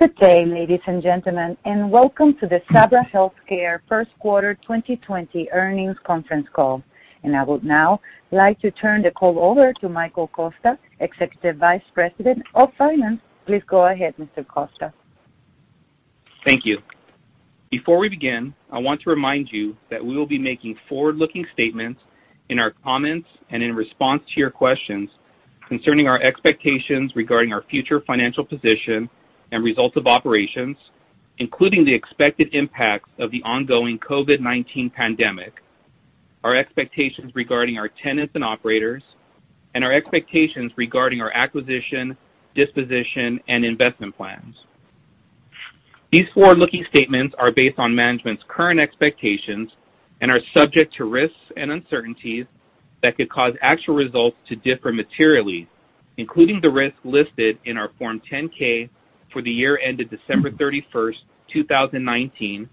Good day, ladies and gentlemen, welcome to the Sabra Health Care first quarter 2020 earnings conference call. I would now like to turn the call over to Michael Costa, Executive Vice President of Finance. Please go ahead, Mr. Costa. Thank you. Before we begin, I want to remind you that we will be making forward-looking statements in our comments and in response to your questions concerning our expectations regarding our future financial position and results of operations, including the expected impacts of the ongoing COVID-19 pandemic, our expectations regarding our tenants and operators, and our expectations regarding our acquisition, disposition, and investment plans. These forward-looking statements are based on management's current expectations and are subject to risks and uncertainties that could cause actual results to differ materially, including the risks listed in our Form 10-K for the year ended December 31st, 2019,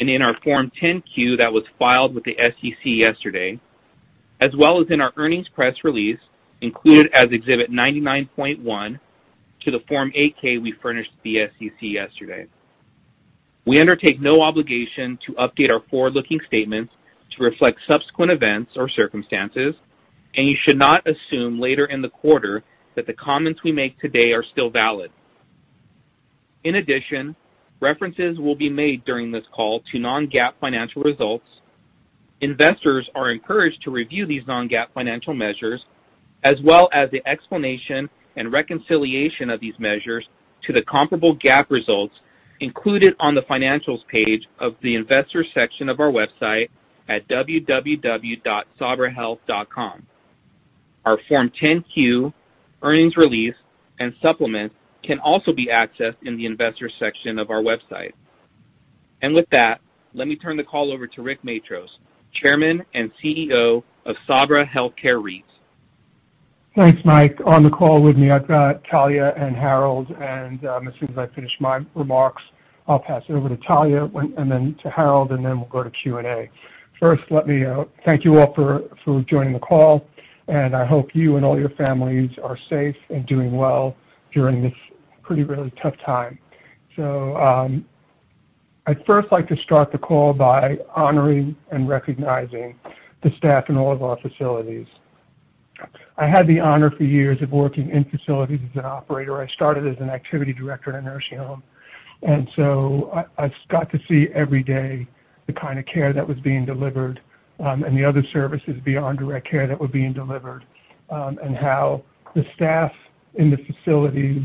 and in our Form 10-Q that was filed with the SEC yesterday, as well as in our earnings press release, included as Exhibit 99.1 to the Form 8-K we furnished the SEC yesterday. We undertake no obligation to update our forward-looking statements to reflect subsequent events or circumstances, and you should not assume later in the quarter that the comments we make today are still valid. In addition, references will be made during this call to non-GAAP financial results. Investors are encouraged to review these non-GAAP financial measures, as well as the explanation and reconciliation of these measures to the comparable GAAP results included on the Financials page of the Investors section of our website at www.sabrahealth.com. Our Form 10-Q, earnings release, and supplement can also be accessed in the Investors section of our website. With that, let me turn the call over to Rick Matros, Chairman and CEO of Sabra Health Care REIT. Thanks, Mike. On the call with me, I've got Talya and Harold, and as soon as I finish my remarks, I'll pass it over to Talya and then to Harold, and then we'll go to Q&A. First, let me thank you all for joining the call, and I hope you and all your families are safe and doing well during this pretty really tough time. I'd first like to start the call by honoring and recognizing the staff in all of our facilities. I had the honor for years of working in facilities as an operator. I started as an activity director in a nursing home, and so I got to see every day the kind of care that was being delivered, and the other services beyond direct care that were being delivered, and how the staff in the facilities,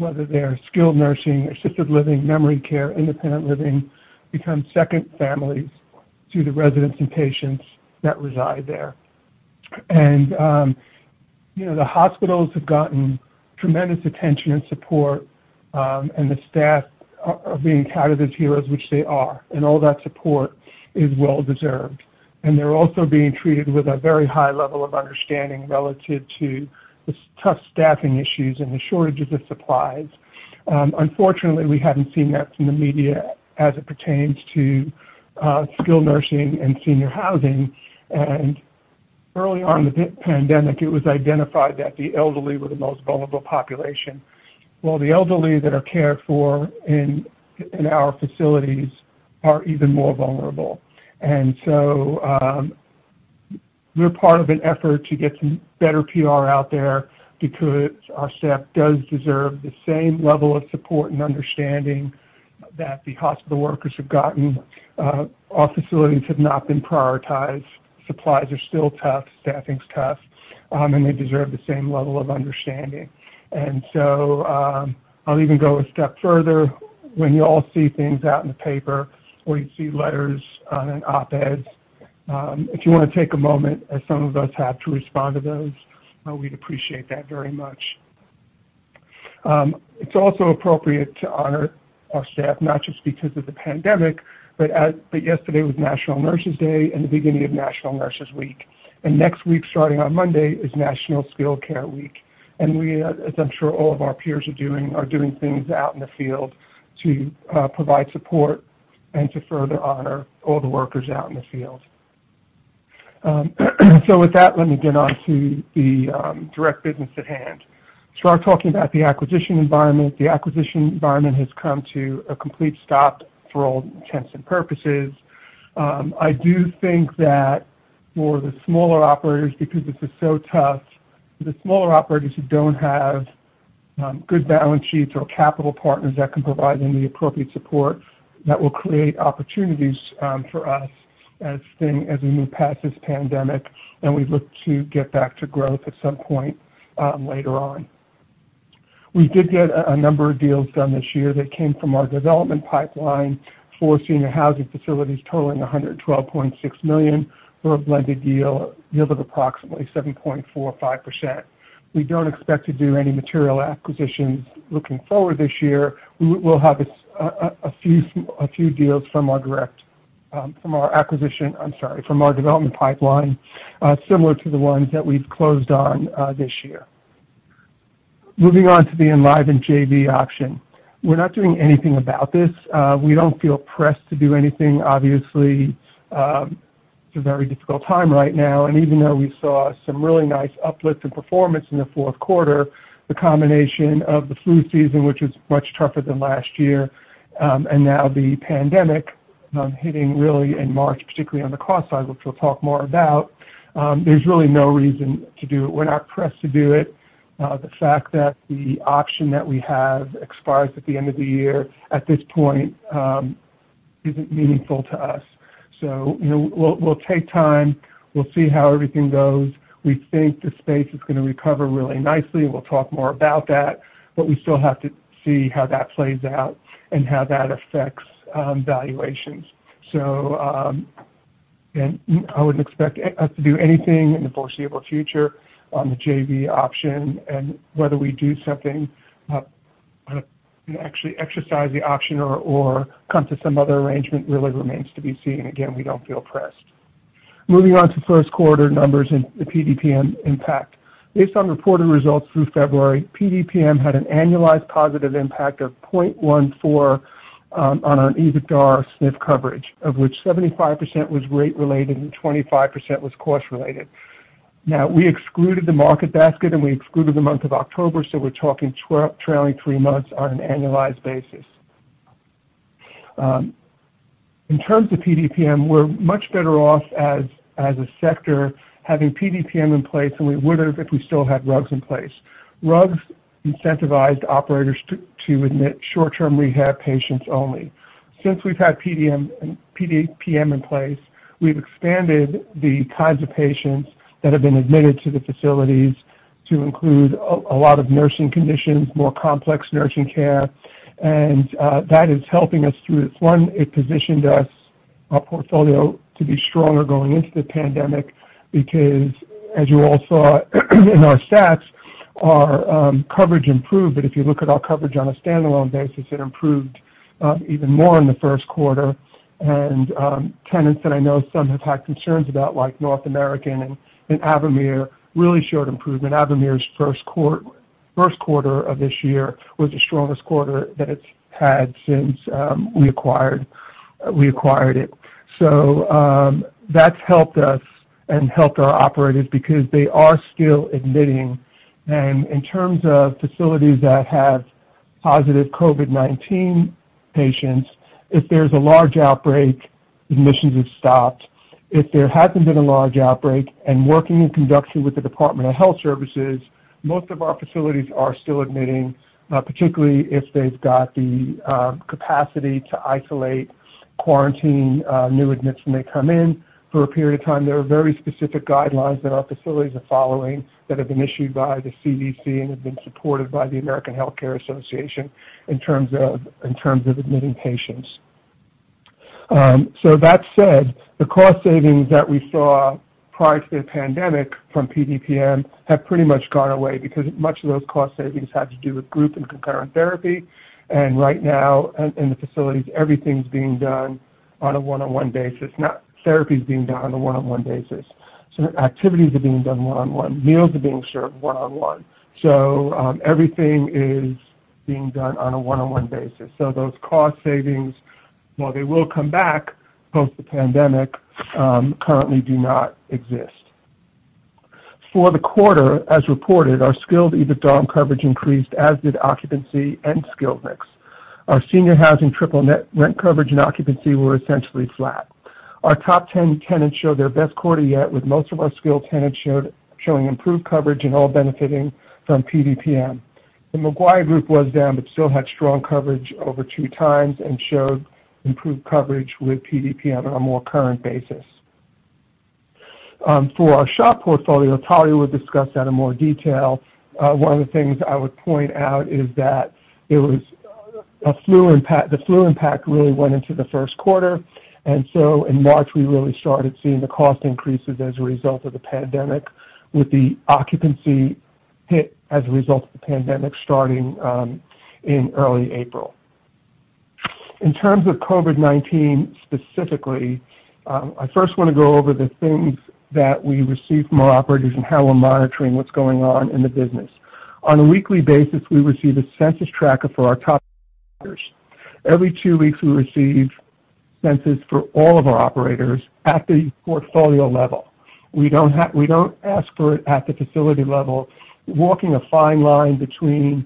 whether they are skilled nursing, assisted living, memory care, independent living, become second families to the residents and patients that reside there. The hospitals have gotten tremendous attention and support, and the staff are being touted as heroes, which they are, and all that support is well deserved. They're also being treated with a very high level of understanding relative to the tough staffing issues and the shortages of supplies. Unfortunately, we haven't seen that from the media as it pertains to skilled nursing and senior housing, and early on in the pandemic, it was identified that the elderly were the most vulnerable population. Well, the elderly that are cared for in our facilities are even more vulnerable. So, we're part of an effort to get some better PR out there because our staff does deserve the same level of support and understanding that the hospital workers have gotten. Our facilities have not been prioritized. Supplies are still tough. Staffing's tough. They deserve the same level of understanding. So, I'll even go a step further. When you all see things out in the paper, or you see letters on an op-ed, if you want to take a moment, as some of us have, to respond to those, we'd appreciate that very much. It's also appropriate to honor our staff, not just because of the pandemic, but yesterday was National Nurses Day and the beginning of National Nurses Week. Next week, starting on Monday, is National Skilled Care Week. We, as I'm sure all of our peers are doing, are doing things out in the field to provide support and to further honor all the workers out in the field. With that, let me get on to the direct business at hand. To start talking about the acquisition environment, the acquisition environment has come to a complete stop for all intents and purposes. I do think that for the smaller operators, because this is so tough, the smaller operators who don't have good balance sheets or capital partners that can provide them the appropriate support, that will create opportunities for us as we move past this pandemic and we look to get back to growth at some point later on. We did get a number of deals done this year that came from our development pipeline for senior housing facilities totaling $112.6 million for a blended yield of approximately 7.45%. We don't expect to do any material acquisitions looking forward this year. We'll have a few deals from our development pipeline, similar to the ones that we've closed on this year. Moving on to the Enlivant JV auction. We're not doing anything about this. We don't feel pressed to do anything, obviously. Even though we saw some really nice uplift in performance in the fourth quarter, the combination of the flu season, which was much tougher than last year, and now the pandemic hitting really in March, particularly on the cost side, which we'll talk more about, there's really no reason to do it. We're not pressed to do it. The fact that the option that we have expires at the end of the year, at this point, isn't meaningful to us. We'll take time. We'll see how everything goes. We think the space is going to recover really nicely. We'll talk more about that, but we still have to see how that plays out and how that affects valuations. I wouldn't expect us to do anything in the foreseeable future on the JV option and whether we do something, actually exercise the option or come to some other arrangement really remains to be seen. Again, we don't feel pressed. Moving on to first quarter numbers and the PDPM impact. Based on reported results through February, PDPM had an annualized positive impact of 0.14 on our EBITDA SNF coverage, of which 75% was rate-related and 25% was cost-related. We excluded the market basket, and we excluded the month of October, so we're talking trailing three months on an annualized basis. In terms of PDPM, we're much better off as a sector having PDPM in place than we would have if we still had RUGs in place. RUGs incentivized operators to admit short-term rehab patients only. Since we've had PDPM in place, we've expanded the kinds of patients that have been admitted to the facilities to include a lot of nursing conditions, more complex nursing care, and that is helping us through this. One, it positioned our portfolio to be stronger going into the pandemic because, as you all saw in our stats, our coverage improved. If you look at our coverage on a standalone basis, it improved even more in the first quarter. Tenants that I know some have had concerns about, like North American and Avamere, really showed improvement. Avamere's first quarter of this year was the strongest quarter that it's had since we acquired it. That's helped us and helped our operators because they are still admitting. In terms of facilities that have positive COVID-19 patients, if there's a large outbreak, admissions have stopped. If there hasn't been a large outbreak, and working in conjunction with the Department of Health Services, most of our facilities are still admitting, particularly if they've got the capacity to isolate, quarantine new admissions when they come in for a period of time. There are very specific guidelines that our facilities are following that have been issued by the CDC and have been supported by the American Health Care Association in terms of admitting patients. That said, the cost savings that we saw prior to the pandemic from PDPM have pretty much gone away because much of those cost savings had to do with group and concurrent therapy. Right now in the facilities, everything's being done on a one-on-one basis, not therapy is being done on a one-on-one basis. Activities are being done one-on-one. Meals are being served one-on-one. Everything is being done on a one-on-one basis. Those cost savings, while they will come back post the pandemic, currently do not exist. For the quarter, as reported, our skilled EBITDA coverage increased, as did occupancy and skill mix. Our senior housing triple net rent coverage and occupancy were essentially flat. Our top 10 tenants showed their best quarter yet, with most of our skilled tenants showing improved coverage and all benefiting from PDPM. The McGuire Group was down but still had strong coverage over two times and showed improved coverage with PDPM on a more current basis. For our SHOP portfolio, Talya will discuss that in more detail. One of the things I would point out is that the flu impact really went into the first quarter, and so in March, we really started seeing the cost increases as a result of the pandemic, with the occupancy hit as a result of the pandemic starting in early April. In terms of COVID-19 specifically, I first want to go over the things that we receive from our operators and how we're monitoring what's going on in the business. On a weekly basis, we receive a census tracker for our top operators. Every two weeks, we receive census for all of our operators at the portfolio level. We don't ask for it at the facility level, walking a fine line between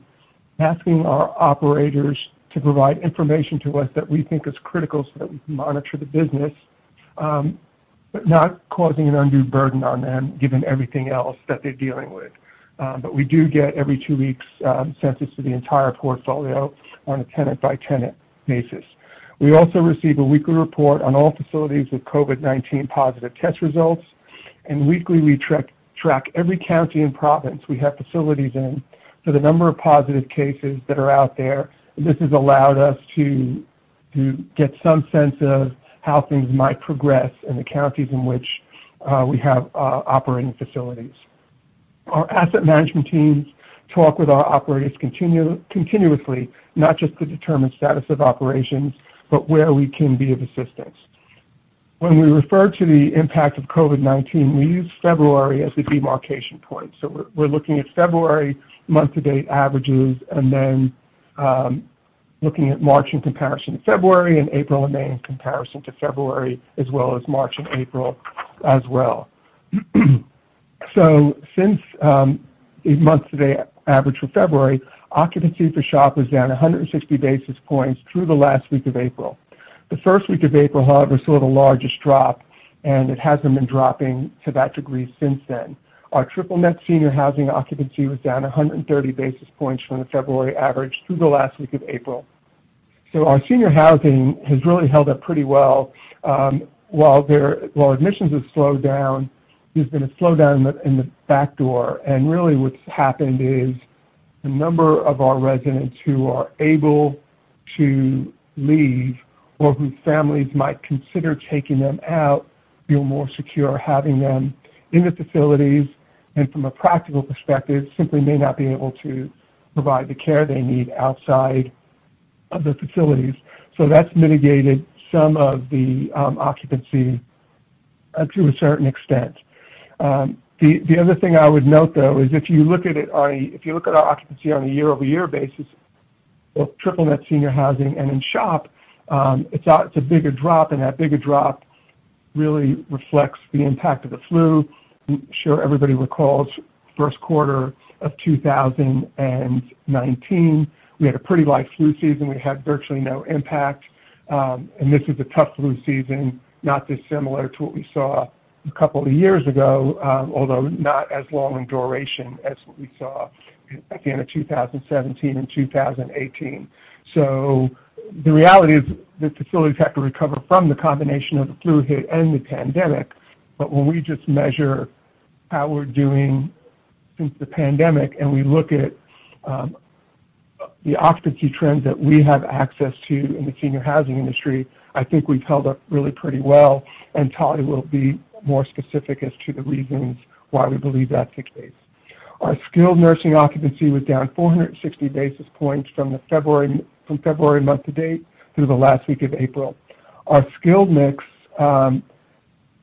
asking our operators to provide information to us that we think is critical so that we can monitor the business, but not causing an undue burden on them, given everything else that they're dealing with. We do get every two weeks, census for the entire portfolio on a tenant-by-tenant basis. We also receive a weekly report on all facilities with COVID-19 positive test results, and weekly, we track every county and province we have facilities in for the number of positive cases that are out there. This has allowed us to get some sense of how things might progress in the counties in which we have operating facilities. Our asset management teams talk with our operators continuously, not just to determine status of operations, but where we can be of assistance. When we refer to the impact of COVID-19, we use February as the demarcation point. we're looking at February month-to-date averages, and then looking at March in comparison to February and April and May in comparison to February as well as March and April as well. since these month-to-date average for February, occupancy for SHOP was down 160 basis points through the last week of April. The first week of April, however, saw the largest drop, and it hasn't been dropping to that degree since then. Our triple net senior housing occupancy was down 130 basis points from the February average through the last week of April. our senior housing has really held up pretty well. While admissions have slowed down, there's been a slowdown in the back door. Really what's happened is the number of our residents who are able to leave or whose families might consider taking them out feel more secure having them in the facilities, and from a practical perspective, simply may not be able to provide the care they need outside of the facilities. That's mitigated some of the occupancy up to a certain extent. The other thing I would note, though, is if you look at our occupancy on a year-over-year basis, both triple net senior housing and in SHOP, it's a bigger drop. That bigger drop really reflects the impact of the flu. I'm sure everybody recalls first quarter of 2019, we had a pretty light flu season. We had virtually no impact. This is a tough flu season, not dissimilar to what we saw a couple of years ago, although not as long in duration as what we saw at the end of 2017 and 2018. The reality is the facilities have to recover from the combination of the flu hit and the pandemic. When we just measure how we're doing since the pandemic, and we look at the occupancy trends that we have access to in the senior housing industry, I think we've held up really pretty well. Talya will be more specific as to the reasons why we believe that's the case. Our skilled nursing occupancy was down 460 basis points from February month to date through the last week of April. Our skilled mix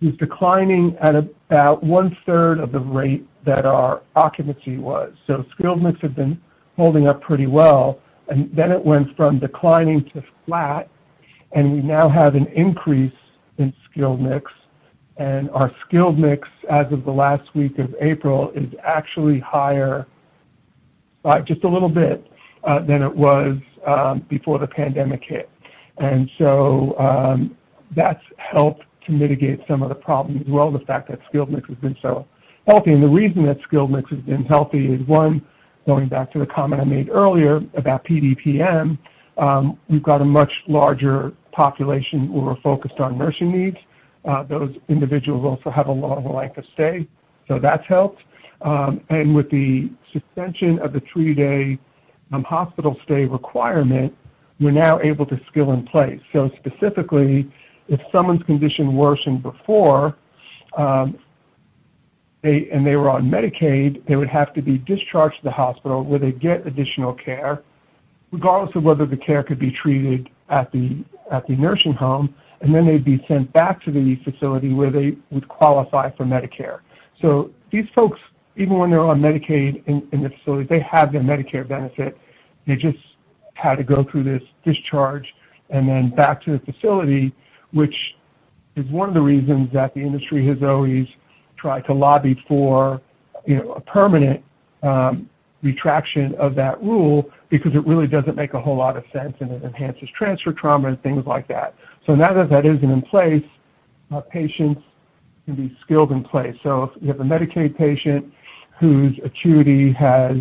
is declining at about one-third of the rate that our occupancy was. Skilled mix had been holding up pretty well, it went from declining to flat, we now have an increase in skilled mix. Our skilled mix as of the last week of April is actually higher by just a little bit than it was before the pandemic hit. That's helped to mitigate some of the problems as well as the fact that skilled mix has been so healthy. The reason that skilled mix has been healthy is one, going back to the comment I made earlier about PDPM, we've got a much larger population who are focused on nursing needs. Those individuals also have a longer length of stay, that's helped. With the suspension of the three-day hospital stay requirement, we're now able to skill in place. Specifically, if someone's condition worsened before, and they were on Medicaid, they would have to be discharged to the hospital where they get additional care, regardless of whether the care could be treated at the nursing home, and then they'd be sent back to the facility where they would qualify for Medicare. These folks, even when they're on Medicaid in the facility, they have their Medicare benefit. They just had to go through this discharge and then back to the facility, which is one of the reasons that the industry has always tried to lobby for a permanent retraction of that rule because it really doesn't make a whole lot of sense and it enhances transfer trauma and things like that. Now that that isn't in place, patients can be skilled in place. If you have a Medicaid patient whose acuity has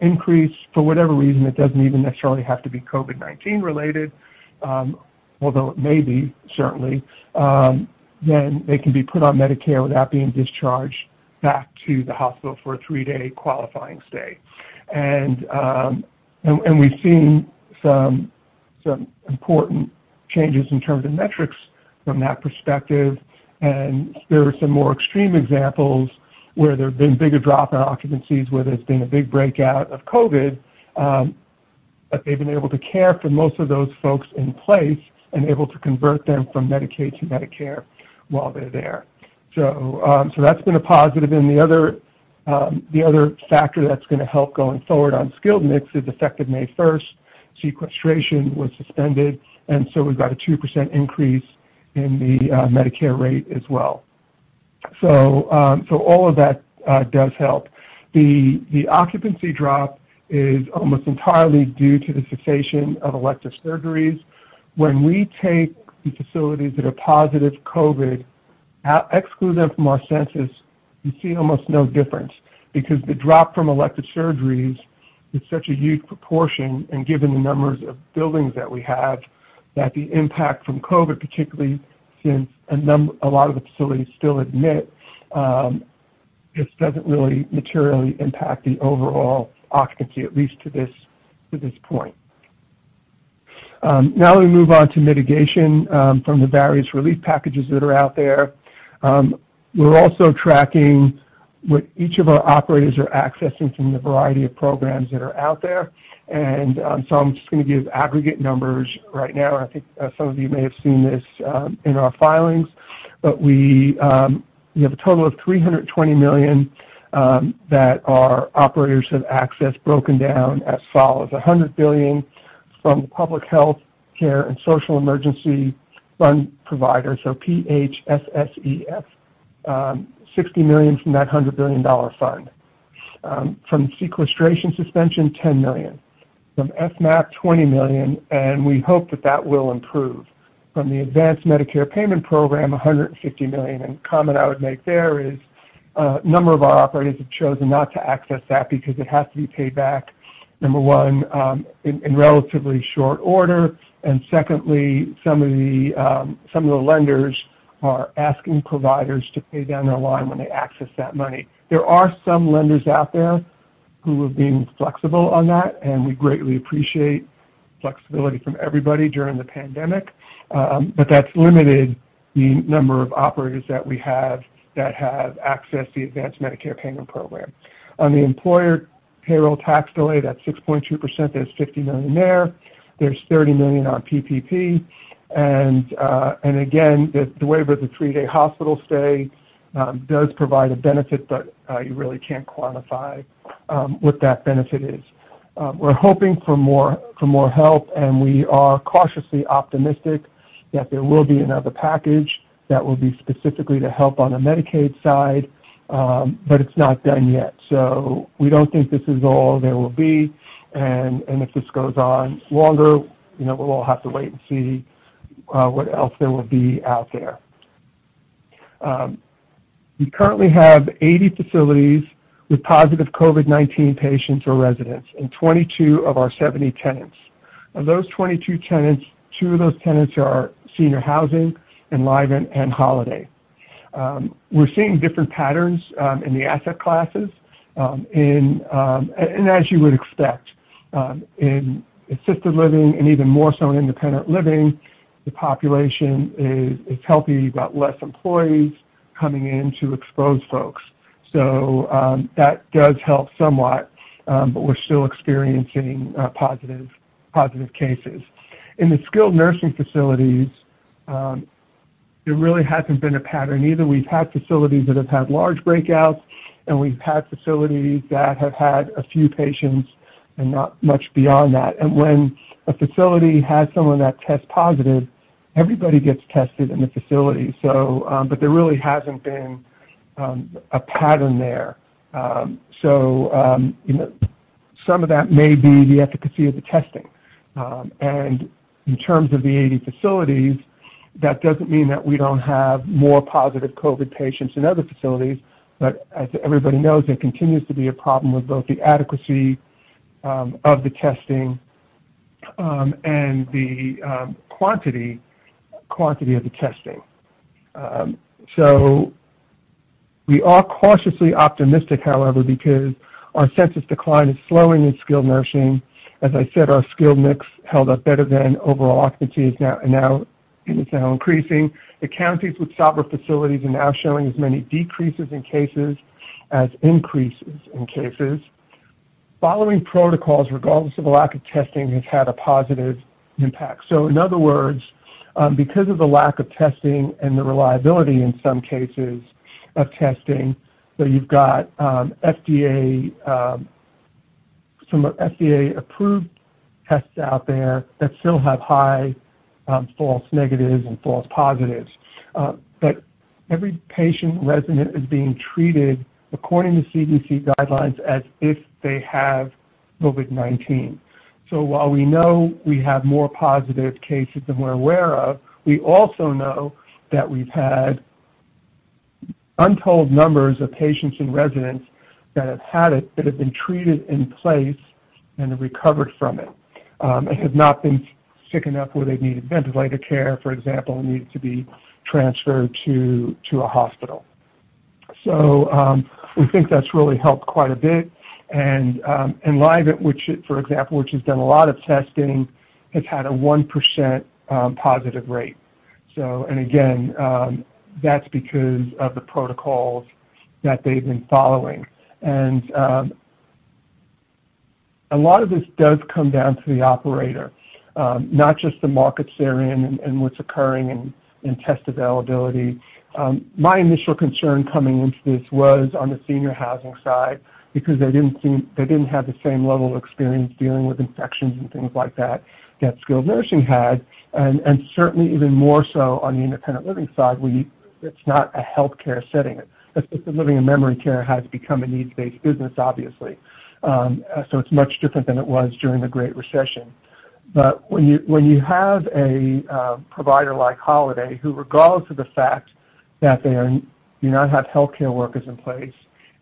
increased for whatever reason, it doesn't even necessarily have to be COVID-19 related, although it may be certainly, then they can be put on Medicare without being discharged back to the hospital for a three-day qualifying stay. We've seen some important changes in terms of metrics from that perspective, and there are some more extreme examples where there have been bigger drop in occupancies, where there's been a big breakout of COVID, but they've been able to care for most of those folks in place and able to convert them from Medicaid to Medicare while they're there. That's been a positive, and the other factor that's going to help going forward on skilled mix is effective May 1st, sequestration was suspended, and we've got a 2% increase in the Medicare rate as well. All of that does help. The occupancy drop is almost entirely due to the cessation of elective surgeries. When we take the facilities that are positive COVID, exclude them from our census, you see almost no difference because the drop from elective surgeries is such a huge proportion, and given the numbers of buildings that we have, that the impact from COVID, particularly since a lot of the facilities still admit, just doesn't really materially impact the overall occupancy, at least to this point. We move on to mitigation from the various relief packages that are out there. We're also tracking what each of our operators are accessing from the variety of programs that are out there. I'm just going to give aggregate numbers right now, and I think some of you may have seen this in our filings. But we have a total of $320 million that our operators have accessed, broken down as follows: $100 million from the Public Health and Social Services Emergency Fund, so PHSSEF. $60 million from that $100 million fund. From sequestration suspension, $10 million. From FMAP, $20 million, and we hope that that will improve. From the Accelerated and Advance Payment Program, $150 million. The comment I would make there is a number of our operators have chosen not to access that because it has to be paid back, number one, in relatively short order. Secondly, some of the lenders are asking providers to pay down their line when they access that money. There are some lenders out there who have been flexible on that, and we greatly appreciate flexibility from everybody during the pandemic. That's limited the number of operators that we have that have accessed the Advanced Medicare Payment Program. On the employer payroll tax delay, that 6.2%, there's $50 million there. There's $30 million on PPP, and again, the waiver of the three-day hospital stay does provide a benefit, but you really can't quantify what that benefit is. We're hoping for more help, and we are cautiously optimistic that there will be another package that will be specifically to help on the Medicaid side, but it's not done yet. We don't think this is all there will be, and if this goes on longer, we'll all have to wait and see what else there will be out there. We currently have 80 facilities with positive COVID-19 patients or residents in 22 of our 70 tenants. Of those 22 tenants, two of those tenants are senior housing, Enlivant and Holiday. We're seeing different patterns in the asset classes, and as you would expect. In assisted living, and even more so in independent living, the population is healthy. You've got less employees coming in to expose folks. That does help somewhat, but we're still experiencing positive cases. In the skilled nursing facilities, there really hasn't been a pattern either. We've had facilities that have had large breakouts, and we've had facilities that have had a few patients and not much beyond that. When a facility has someone that tests positive, everybody gets tested in the facility. There really hasn't been a pattern there. Some of that may be the efficacy of the testing. In terms of the 80 facilities, that doesn't mean that we don't have more positive COVID patients in other facilities, but as everybody knows, there continues to be a problem with both the adequacy of the testing, and the quantity of the testing. We are cautiously optimistic, however, because our census decline is slowing in skilled nursing. As I said, our skilled mix held up better than overall occupancies, and it's now increasing. The counties with Sabra facilities are now showing as many decreases in cases as increases in cases. Following protocols, regardless of the lack of testing, has had a positive impact. In other words, because of the lack of testing and the reliability in some cases of testing, so you've got some FDA-approved tests out there that still have high false negatives and false positives. Every patient resident is being treated according to CDC guidelines as if they have COVID-19. While we know we have more positive cases than we're aware of, we also know that we've had untold numbers of patients and residents that have had it, that have been treated in place and have recovered from it, and have not been sick enough where they've needed ventilator care, for example, or needed to be transferred to a hospital. We think that's really helped quite a bit. Enlivant, for example, which has done a lot of testing, has had a 1% positive rate. Again, that's because of the protocols that they've been following. A lot of this does come down to the operator, not just the markets they're in and what's occurring in test availability. My initial concern coming into this was on the senior housing side, because they didn't have the same level of experience dealing with infections and things like that that skilled nursing had, and certainly even more so on the independent living side, where it's not a healthcare setting. Assisted living and memory care has become a needs-based business, obviously. It's much different than it was during the Great Recession. When you have a provider like Holiday, who, regardless of the fact that they do not have healthcare workers in place,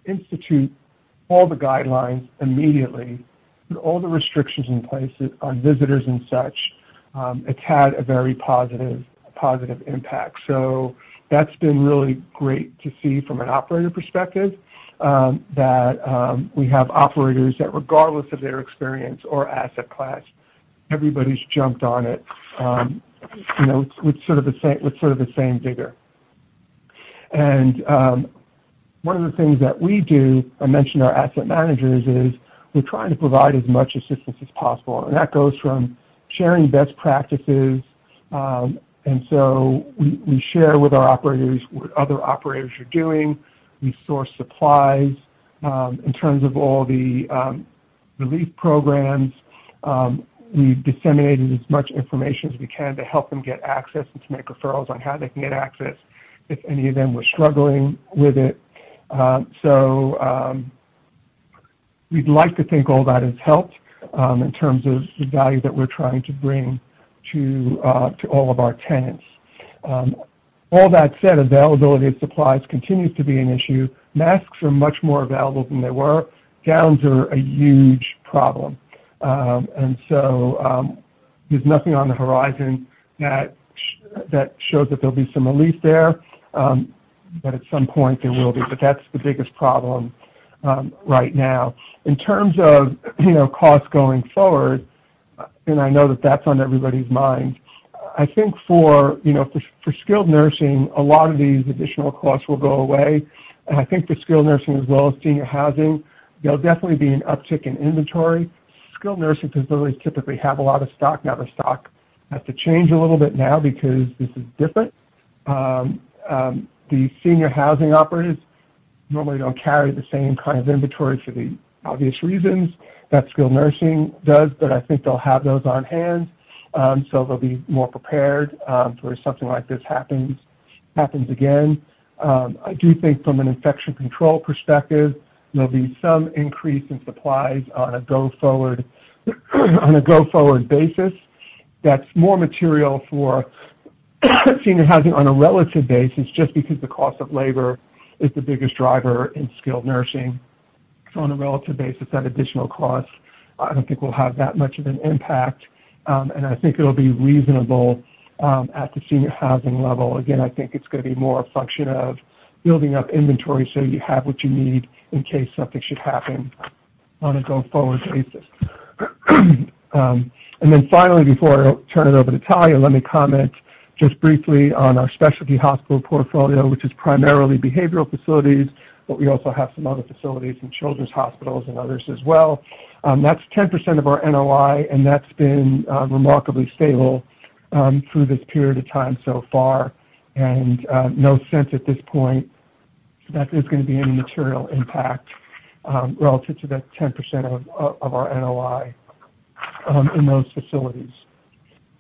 institute all the guidelines immediately, put all the restrictions in place on visitors and such, it's had a very positive impact. That's been really great to see from an operator perspective, that we have operators that, regardless of their experience or asset class, everybody's jumped on it with sort of the same vigor. One of the things that we do, I mentioned our asset managers is, we're trying to provide as much assistance as possible, and that goes from sharing best practices. We share with our operators what other operators are doing. We source supplies, in terms of all the relief programs, we've disseminated as much information as we can to help them get access and to make referrals on how they can get access if any of them were struggling with it. We'd like to think all that has helped, in terms of the value that we're trying to bring to all of our tenants. All that said, availability of supplies continues to be an issue. Masks are much more available than they were. Gowns are a huge problem. There's nothing on the horizon that shows that there'll be some relief there. At some point there will be. That's the biggest problem right now. In terms of costs going forward, and I know that that's on everybody's mind, I think for skilled nursing, a lot of these additional costs will go away. I think for skilled nursing as well as senior housing, there'll definitely be an uptick in inventory. Skilled nursing facilities typically have a lot of stock. Now, the stock has to change a little bit now because this is different. The senior housing operators normally don't carry the same kind of inventory for the obvious reasons that skilled nursing does. I think they'll have those on hand, so they'll be more prepared for if something like this happens again. I do think from an infection control perspective, there'll be some increase in supplies on a go-forward basis. That's more material for senior housing on a relative basis, just because the cost of labor is the biggest driver in skilled nursing. On a relative basis, that additional cost, I don't think will have that much of an impact. I think it'll be reasonable at the senior housing level. Again, I think it's going to be more a function of building up inventory so you have what you need in case something should happen on a go-forward basis. Finally, before I turn it over to Talya, let me comment just briefly on our specialty hospital portfolio, which is primarily behavioral facilities, but we also have some other facilities and children's hospitals and others as well. That's 10% of our NOI, and that's been remarkably stable through this period of time so far. No sense at this point that there's going to be any material impact, relative to that 10% of our NOI in those facilities.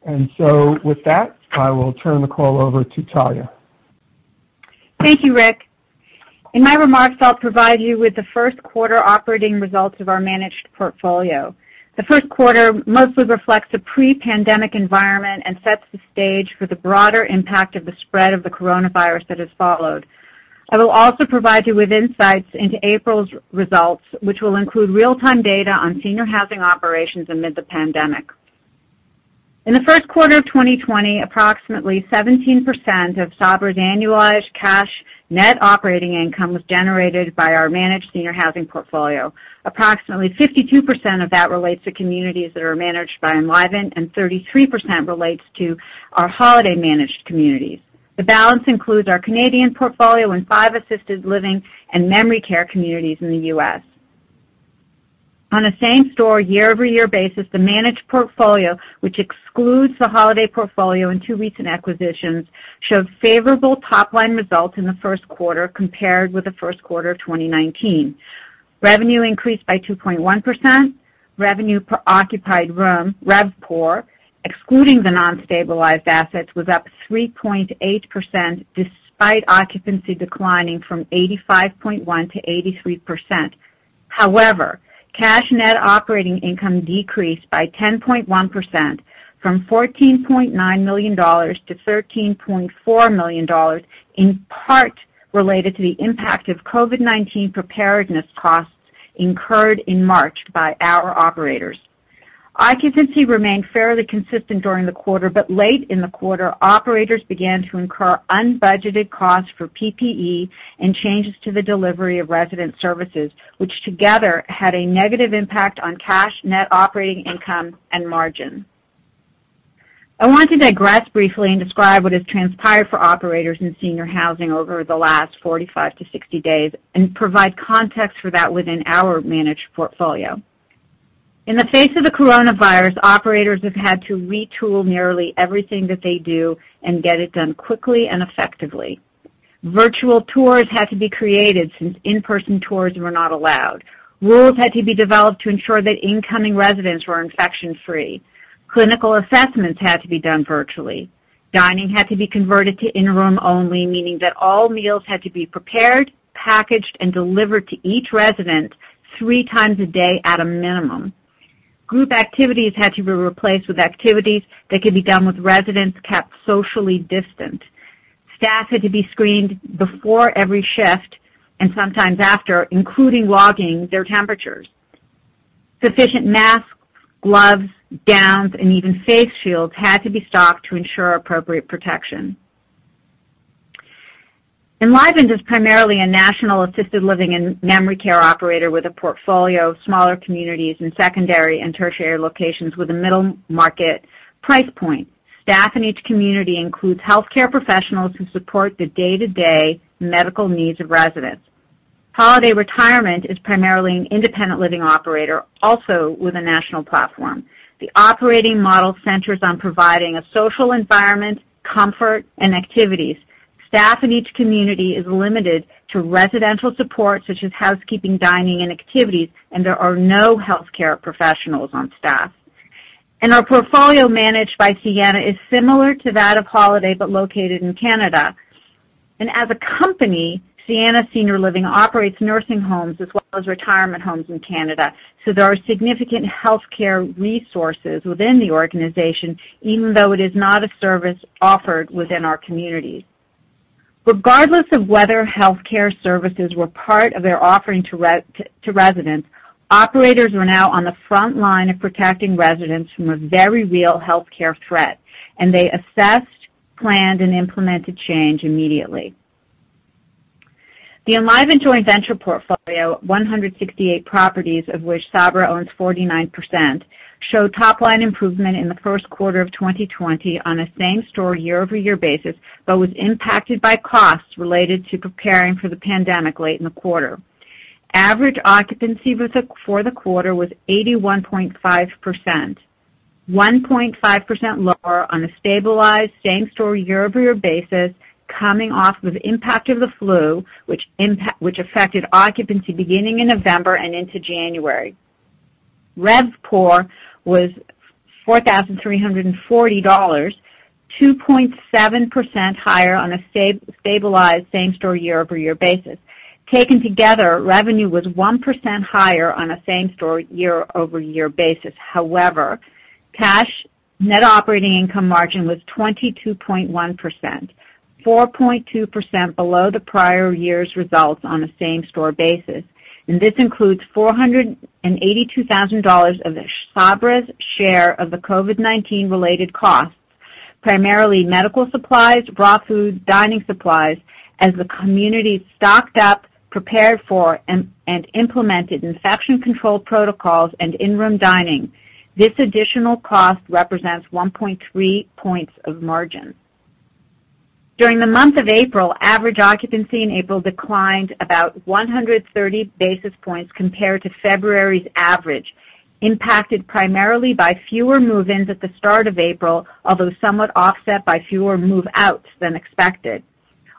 With that, I will turn the call over to Talya. Thank you, Rick. In my remarks, I'll provide you with the first quarter operating results of our managed portfolio. The first quarter mostly reflects a pre-pandemic environment and sets the stage for the broader impact of the spread of the coronavirus that has followed. I will also provide you with insights into April's results, which will include real-time data on senior housing operations amid the pandemic. In the first quarter of 2020, approximately 17% of Sabra's annualized cash net operating income was generated by our managed senior housing portfolio. Approximately 52% of that relates to communities that are managed by Enlivant, and 33% relates to our Holiday managed communities. The balance includes our Canadian portfolio and five assisted living and memory care communities in the U.S. On a same-store, year-over-year basis, the managed portfolio, which excludes the Holiday portfolio and two recent acquisitions, showed favorable top-line results in the first quarter compared with the first quarter of 2019. Revenue increased by 2.1%, revenue per occupied room, RevPOR, excluding the non-stabilized assets, was up 3.8%, despite occupancy declining from 85.1% to 83%. Cash net operating income decreased by 10.1%, from $14.9 million to $13.4 million, in part related to the impact of COVID-19 preparedness costs incurred in March by our operators. Occupancy remained fairly consistent during the quarter, late in the quarter, operators began to incur unbudgeted costs for PPE and changes to the delivery of resident services, which together had a negative impact on cash net operating income and margin. I want to digress briefly and describe what has transpired for operators in senior housing over the last 45-60 days and provide context for that within our managed portfolio. In the face of the coronavirus, operators have had to retool nearly everything that they do and get it done quickly and effectively. Virtual tours had to be created since in-person tours were not allowed. Rules had to be developed to ensure that incoming residents were infection-free. Clinical assessments had to be done virtually. Dining had to be converted to in-room only, meaning that all meals had to be prepared, packaged, and delivered to each resident three times a day at a minimum. Group activities had to be replaced with activities that could be done with residents kept socially distant. Staff had to be screened before every shift and sometimes after, including logging their temperatures. Sufficient masks, gloves, gowns, and even face shields had to be stocked to ensure appropriate protection. Enlivant is primarily a national assisted living and memory care operator with a portfolio of smaller communities in secondary and tertiary locations with a middle-market price point. Staff in each community includes healthcare professionals who support the day-to-day medical needs of residents. Holiday Retirement is primarily an independent living operator, also with a national platform. The operating model centers on providing a social environment, comfort, and activities. Staff in each community is limited to residential support, such as housekeeping, dining, and activities, and there are no healthcare professionals on staff. Our portfolio managed by Sienna is similar to that of Holiday, but located in Canada. As a company, Sienna Senior Living operates nursing homes as well as retirement homes in Canada, so there are significant healthcare resources within the organization, even though it is not a service offered within our communities. Regardless of whether healthcare services were part of their offering to residents, operators are now on the frontline of protecting residents from a very real healthcare threat, and they assessed, planned, and implemented change immediately. The Enlivant joint venture portfolio, 168 properties, of which Sabra owns 49%, showed top-line improvement in the first quarter of 2020 on a same-store year-over-year basis but was impacted by costs related to preparing for the pandemic late in the quarter. Average occupancy for the quarter was 81.5%, 1.5% lower on a stabilized same-store year-over-year basis, coming off of the impact of the flu, which affected occupancy beginning in November and into January. RevPOR was $4,340, 2.7% higher on a stabilized same-store year-over-year basis. Taken together, revenue was 1% higher on a same-store year-over-year basis. Cash net operating income margin was 22.1%, 4.2% below the prior year's results on a same-store basis, and this includes $482,000 of Sabra's share of the COVID-19 related costs, primarily medical supplies, raw food, dining supplies, as the community stocked up, prepared for, and implemented infection control protocols and in-room dining. This additional cost represents 1.3 points of margin. During the month of April, average occupancy in April declined about 130 basis points compared to February's average, impacted primarily by fewer move-ins at the start of April, although somewhat offset by fewer move-outs than expected.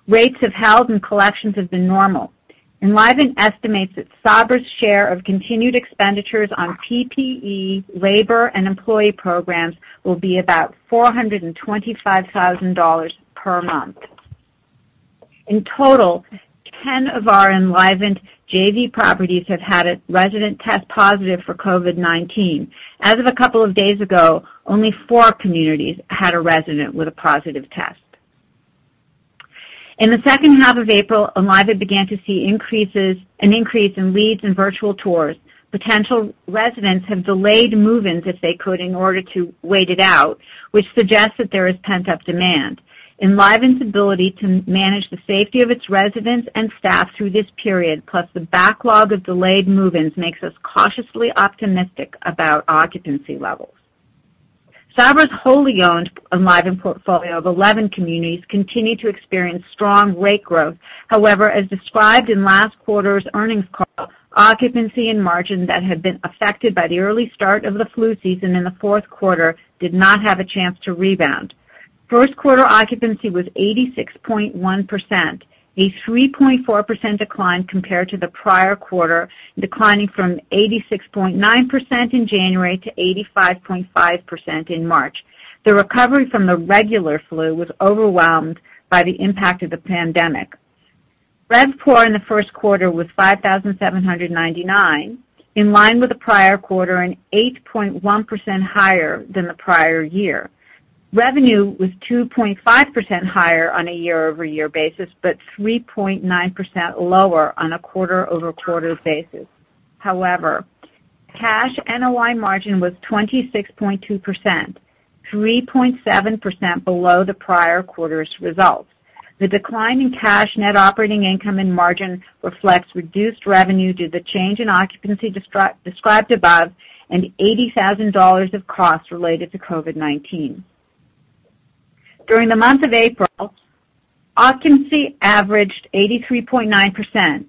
Rates have held, and collections have been normal. Enlivant estimates that Sabra's share of continued expenditures on PPE, labor, and employee programs will be about $425,000 per month. In total, 10 of our Enlivant JV properties have had a resident test positive for COVID-19. As of a couple of days ago, only four communities had a resident with a positive test. In the second half of April, Enlivant began to see an increase in leads and virtual tours. Potential residents have delayed move-ins if they could in order to wait it out, which suggests that there is pent-up demand. Enlivant's ability to manage the safety of its residents and staff through this period, plus the backlog of delayed move-ins, makes us cautiously optimistic about occupancy levels. Sabra's wholly-owned Enlivant portfolio of 11 communities continued to experience strong rate growth. As described in last quarter's earnings call, occupancy and margin that had been affected by the early start of the flu season in the fourth quarter did not have a chance to rebound. First quarter occupancy was 86.1%, a 3.4% decline compared to the prior quarter, declining from 86.9% in January to 85.5% in March. The recovery from the regular flu was overwhelmed by the impact of the pandemic. RevPOR in the first quarter was 5,799, in line with the prior quarter, and 8.1% higher than the prior year. Revenue was 2.5% higher on a year-over-year basis, but 3.9% lower on a quarter-over-quarter basis. However, cash NOI margin was 26.2%, 3.7% below the prior quarter's results. The decline in cash net operating income and margin reflects reduced revenue due to the change in occupancy described above and $80,000 of costs related to COVID-19. During the month of April, occupancy averaged 83.9%,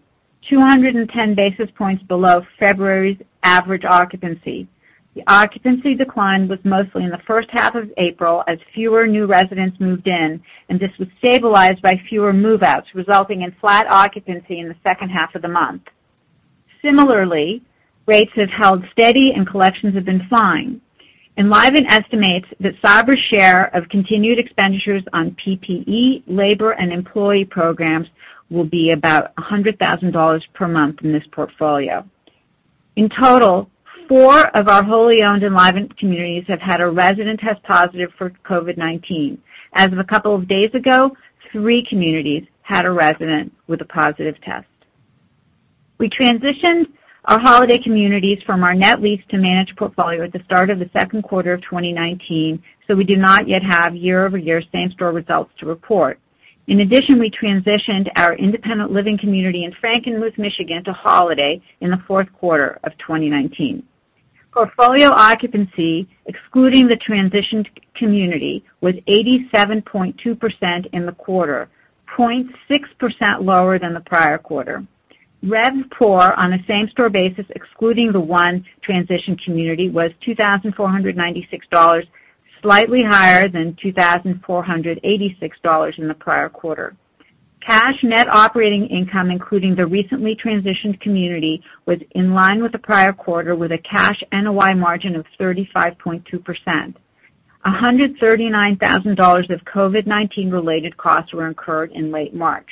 210 basis points below February's average occupancy. The occupancy decline was mostly in the first half of April as fewer new residents moved in, and this was stabilized by fewer move-outs, resulting in flat occupancy in the second half of the month. Similarly, rates have held steady, and collections have been fine. Enlivant estimates that Sabra's share of continued expenditures on PPE, labor, and employee programs will be about $100,000 per month in this portfolio. In total, four of our wholly-owned Enlivant communities have had a resident test positive for COVID-19. As of a couple of days ago, three communities had a resident with a positive test. We transitioned our Holiday communities from our net lease to managed portfolio at the start of the second quarter of 2019, so we do not yet have year-over-year same-store results to report. In addition, we transitioned our independent living community in Frankenmuth, Michigan to Holiday in the fourth quarter of 2019. Portfolio occupancy, excluding the transitioned community, was 87.2% in the quarter, 0.6% lower than the prior quarter. RevPOR on a same-store basis, excluding the one transitioned community, was $2,496, slightly higher than $2,486 in the prior quarter. Cash net operating income, including the recently transitioned community, was in line with the prior quarter, with a cash NOI margin of 35.2%. $139,000 of COVID-19 related costs were incurred in late March.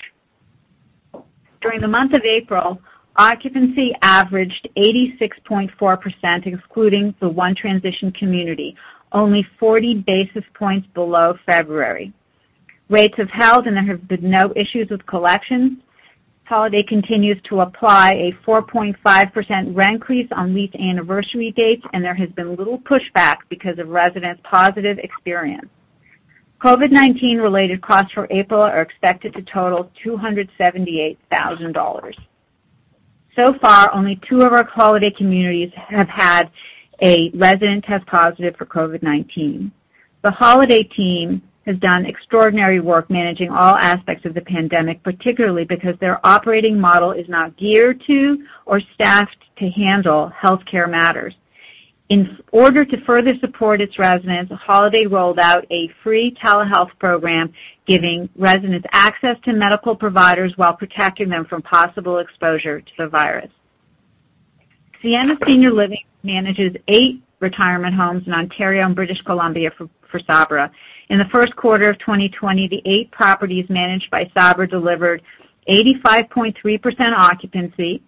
During the month of April, occupancy averaged 86.4%, excluding the one transitioned community, only 40 basis points below February. Rates have held, and there have been no issues with collections. Holiday continues to apply a 4.5% rent increase on lease anniversary dates, and there has been little pushback because of residents' positive experience. COVID-19 related costs for April are expected to total $278,000. Far, only two of our Holiday communities have had a resident test positive for COVID-19. The Holiday team has done extraordinary work managing all aspects of the pandemic, particularly because their operating model is not geared to or staffed to handle healthcare matters. In order to further support its residents, Holiday rolled out a free telehealth program, giving residents access to medical providers while protecting them from possible exposure to the virus. Sienna Senior Living manages eight retirement homes in Ontario and British Columbia for Sabra. In the first quarter of 2020, the eight properties managed by Sabra delivered 85.3% occupancy,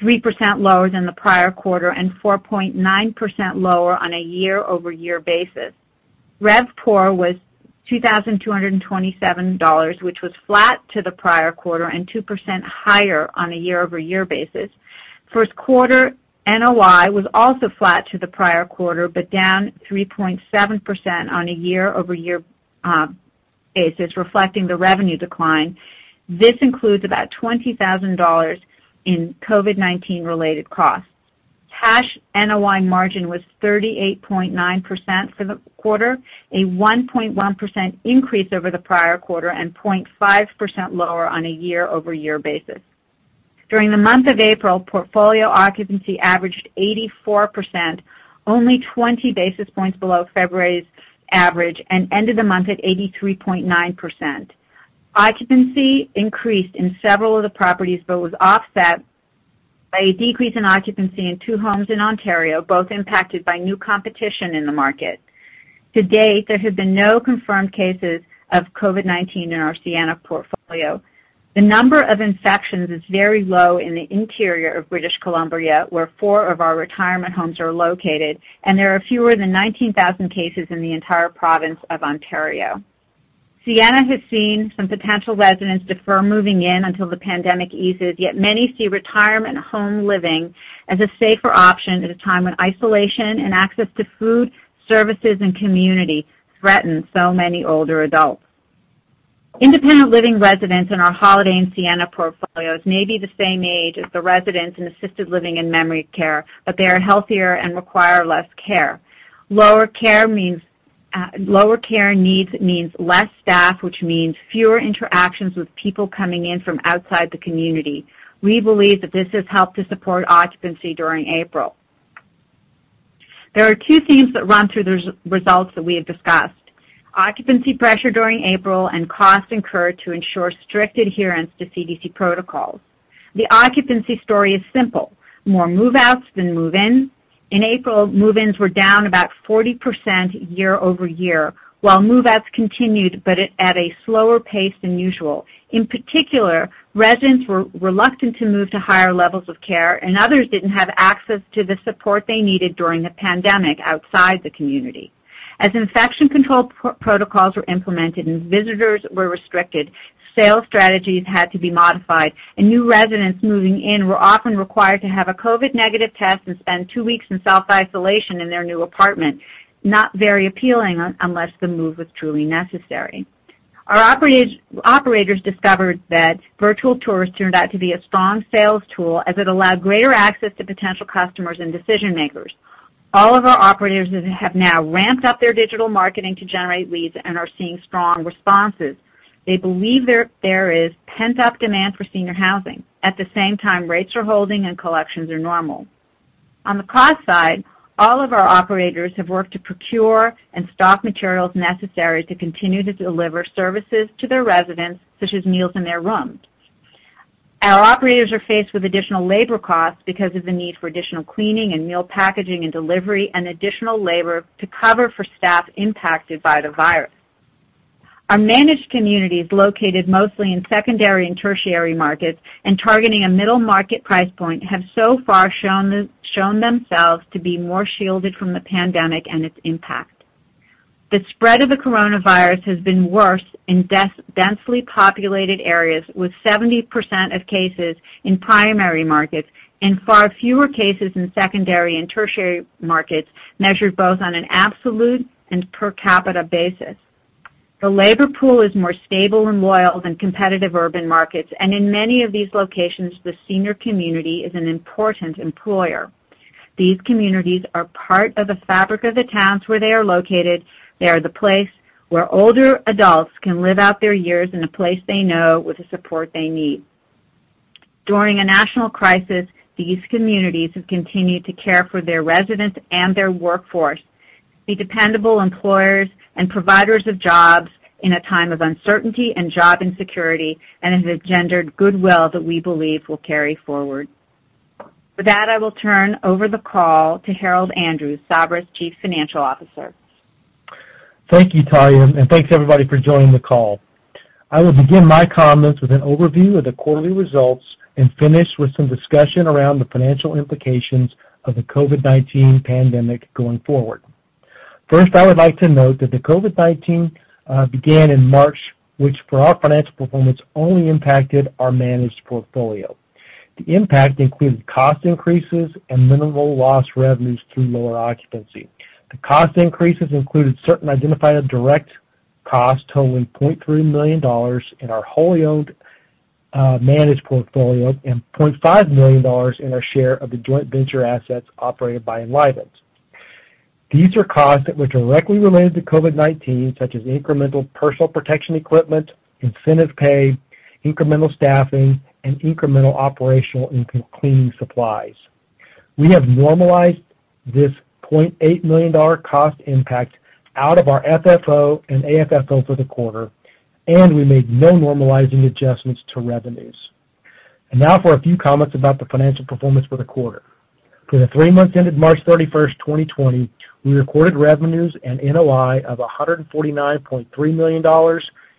3% lower than the prior quarter and 4.9% lower on a year-over-year basis. RevPOR was $2,227, which was flat to the prior quarter and 2% higher on a year-over-year basis. First quarter NOI was also flat to the prior quarter, but down 3.7% on a year-over-year basis, reflecting the revenue decline. This includes about $20,000 in COVID-19 related costs. Cash NOI margin was 38.9% for the quarter, a 1.1% increase over the prior quarter and 0.5% lower on a year-over-year basis. During the month of April, portfolio occupancy averaged 84%, only 20 basis points below February's average, and ended the month at 83.9%. Occupancy increased in several of the properties, but was offset by a decrease in occupancy in two homes in Ontario, both impacted by new competition in the market. To date, there have been no confirmed cases of COVID-19 in our Sienna portfolio. The number of infections is very low in the interior of British Columbia, where four of our retirement homes are located, and there are fewer than 19,000 cases in the entire province of Ontario. Sienna has seen some potential residents defer moving in until the pandemic eases, yet many see retirement home living as a safer option at a time when isolation and access to food, services, and community threaten so many older adults. Independent living residents in our Holiday and Sienna portfolios may be the same age as the residents in assisted living and memory care, but they are healthier and require less care. Lower care needs means less staff, which means fewer interactions with people coming in from outside the community. We believe that this has helped to support occupancy during April. There are two themes that run through the results that we have discussed, occupancy pressure during April and costs incurred to ensure strict adherence to CDC protocols. The occupancy story is simple, more move-outs than move-ins. In April, move-ins were down about 40% year-over-year, while move-outs continued but at a slower pace than usual. In particular, residents were reluctant to move to higher levels of care, and others didn't have access to the support they needed during the pandemic outside the community. As infection control protocols were implemented and visitors were restricted, sales strategies had to be modified, and new residents moving in were often required to have a COVID-19 negative test and spend two weeks in self-isolation in their new apartment. Not very appealing unless the move was truly necessary. Our operators discovered that virtual tours turned out to be a strong sales tool, as it allowed greater access to potential customers and decision-makers. All of our operators have now ramped up their digital marketing to generate leads and are seeing strong responses. They believe there is pent-up demand for senior housing. At the same time, rates are holding, and collections are normal. On the cost side, all of our operators have worked to procure and stock materials necessary to continue to deliver services to their residents, such as meals in their rooms. Our operators are faced with additional labor costs because of the need for additional cleaning and meal packaging and delivery, and additional labor to cover for staff impacted by the virus. Our managed communities, located mostly in secondary and tertiary markets and targeting a middle market price point, have so far shown themselves to be more shielded from the pandemic and its impact. The spread of the coronavirus has been worse in densely populated areas, with 70% of cases in primary markets and far fewer cases in secondary and tertiary markets, measured both on an absolute and per capita basis. The labor pool is more stable and loyal than competitive urban markets, and in many of these locations, the senior community is an important employer. These communities are part of the fabric of the towns where they are located. They are the place where older adults can live out their years in a place they know with the support they need. During a national crisis, these communities have continued to care for their residents and their workforce, be dependable employers and providers of jobs in a time of uncertainty and job insecurity, and have engendered goodwill that we believe will carry forward. With that, I will turn over the call to Harold Andrews, Sabra's Chief Financial Officer. Thank you, Talya, and thanks, everybody, for joining the call. I will begin my comments with an overview of the quarterly results and finish with some discussion around the financial implications of the COVID-19 pandemic going forward. First, I would like to note that the COVID-19 began in March, which for our financial performance only impacted our managed portfolio. The impact included cost increases and minimal loss revenues through lower occupancy. The cost increases included certain identified direct costs totaling $0.3 million in our wholly owned, managed portfolio and $0.5 million in our share of the joint venture assets operated by Enlivant. These are costs that were directly related to COVID-19, such as incremental personal protection equipment, incentive pay, incremental staffing, and incremental operational and cleaning supplies. We have normalized this $0.8 million cost impact out of our FFO and AFFO for the quarter. We made no normalizing adjustments to revenues. Now for a few comments about the financial performance for the quarter. For the three months ended March 31st, 2020, we recorded revenues and NOI of $149.3 million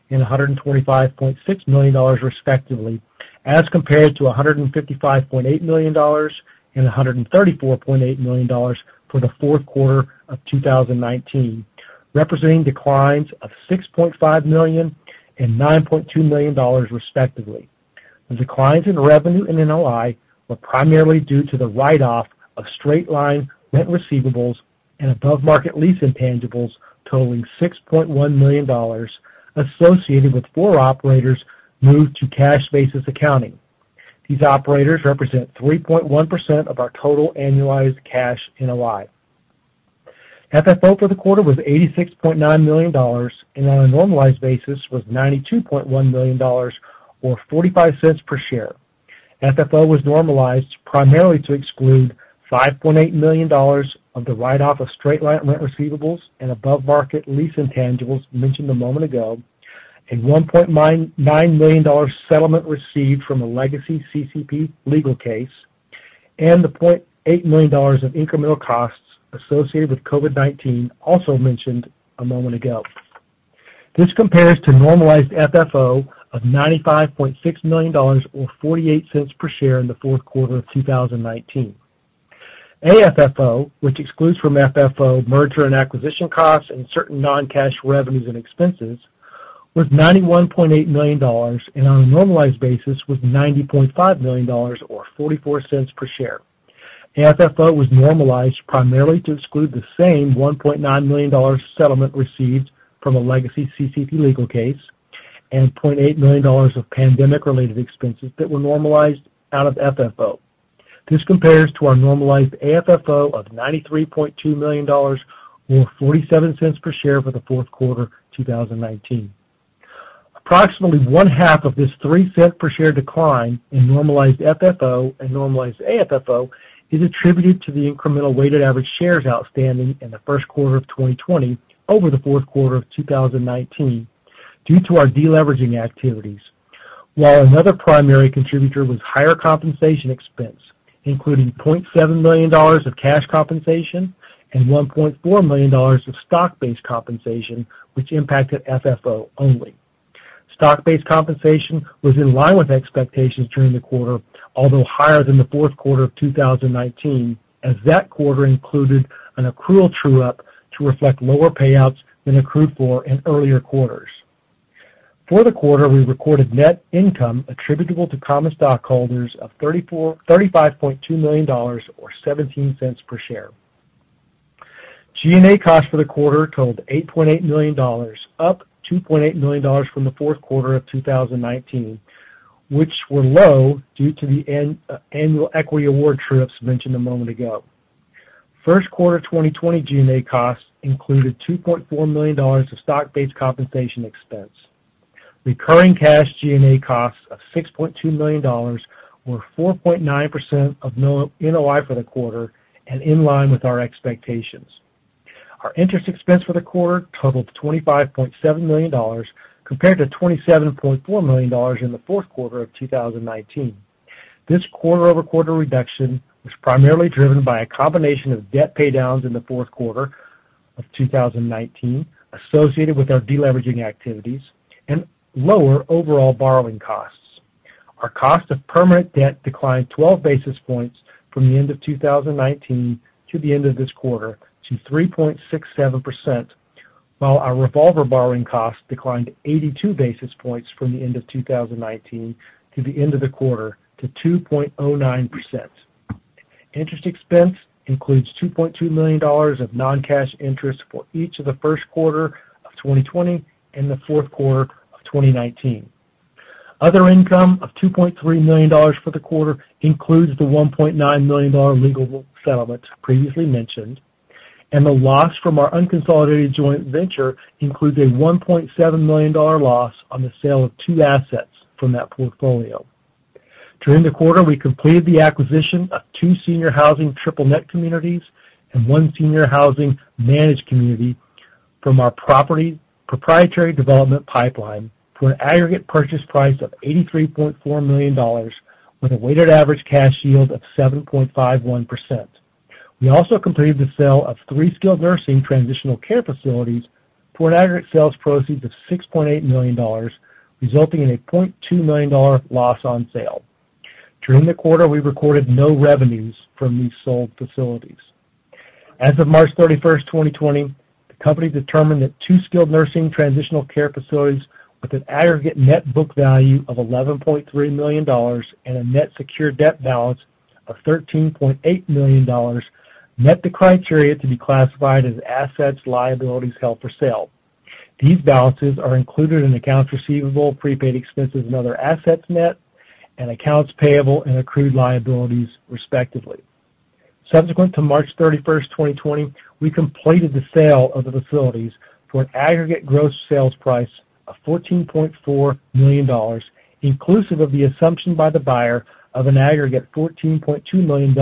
and $125.6 million, respectively, as compared to $155.8 million and $134.8 million for the fourth quarter of 2019, representing declines of $6.5 million and $9.2 million, respectively. The declines in revenue and NOI were primarily due to the write-off of straight-line rent receivables and above-market lease intangibles totaling $6.1 million associated with four operators moved to cash basis accounting. These operators represent 3.1% of our total annualized cash NOI. FFO for the quarter was $86.9 million, and on a normalized basis was $92.1 million, or $0.45 per share. FFO was normalized primarily to exclude $5.8 million of the write-off of straight-line rent receivables and above-market lease intangibles mentioned a moment ago, a $1.9 million settlement received from a legacy CCP legal case, and the $0.8 million of incremental costs associated with COVID-19 also mentioned a moment ago. This compares to normalized FFO of $95.6 million or $0.48 per share in the fourth quarter of 2019. AFFO, which excludes from FFO merger and acquisition costs and certain non-cash revenues and expenses, was $91.8 million, and on a normalized basis was $90.5 million or $0.44 per share. AFFO was normalized primarily to exclude the same $1.9 million settlement received from a legacy CCP legal case and $0.8 million of pandemic-related expenses that were normalized out of FFO. This compares to our normalized AFFO of $93.2 million or $0.47 per share for the fourth quarter 2019. Approximately one-half of this $0.03 per share decline in normalized FFO and normalized AFFO is attributed to the incremental weighted average shares outstanding in the first quarter of 2020 over the fourth quarter of 2019 due to our de-leveraging activities. Another primary contributor was higher compensation expense, including $0.7 million of cash compensation and $1.4 million of stock-based compensation, which impacted FFO only. Stock-based compensation was in line with expectations during the quarter, although higher than the fourth quarter of 2019, as that quarter included an accrual true-up to reflect lower payouts than accrued for in earlier quarters. For the quarter, we recorded net income attributable to common stockholders of $35.2 million or $0.17 per share. G&A costs for the quarter totaled $8.8 million, up $2.8 million from the fourth quarter of 2019, which were low due to the annual equity award true-ups mentioned a moment ago. First quarter 2020 G&A costs included $2.4 million of stock-based compensation expense. Recurring cash G&A costs of $6.2 million were 4.9% of NOI for the quarter and in line with our expectations. Our interest expense for the quarter totaled $25.7 million, compared to $27.4 million in the fourth quarter of 2019. This quarter-over-quarter reduction was primarily driven by a combination of debt paydowns in the fourth quarter of 2019 associated with our de-leveraging activities and lower overall borrowing costs. Our cost of permanent debt declined 12 basis points from the end of 2019 to the end of this quarter to 3.67%, while our revolver borrowing cost declined 82 basis points from the end of 2019 to the end of the quarter to 2.09%. Interest expense includes $2.2 million of non-cash interest for each of the first quarter of 2020 and the fourth quarter of 2019. Other income of $2.3 million for the quarter includes the $1.9 million legal settlement previously mentioned, and the loss from our unconsolidated joint venture includes a $1.7 million loss on the sale of two assets from that portfolio. During the quarter, we completed the acquisition of two senior housing triple net communities and one senior housing managed community from our proprietary development pipeline for an aggregate purchase price of $83.4 million, with a weighted average cash yield of 7.51%. We also completed the sale of three skilled nursing transitional care facilities for an aggregate sales proceed of $6.8 million, resulting in a $20.2 million loss on sale. During the quarter, we recorded no revenues from these sold facilities. As of March 31, 2020, the company determined that two skilled nursing transitional care facilities with an aggregate net book value of $11.3 million and a net secure debt balance of $13.8 million met the criteria to be classified as assets liabilities held for sale. These balances are included in accounts receivable, prepaid expenses, and other assets net, and accounts payable and accrued liabilities respectively. Subsequent to March 31, 2020, we completed the sale of the facilities for an aggregate gross sales price of $14.4 million, inclusive of the assumption by the buyer of an aggregate $14.2 million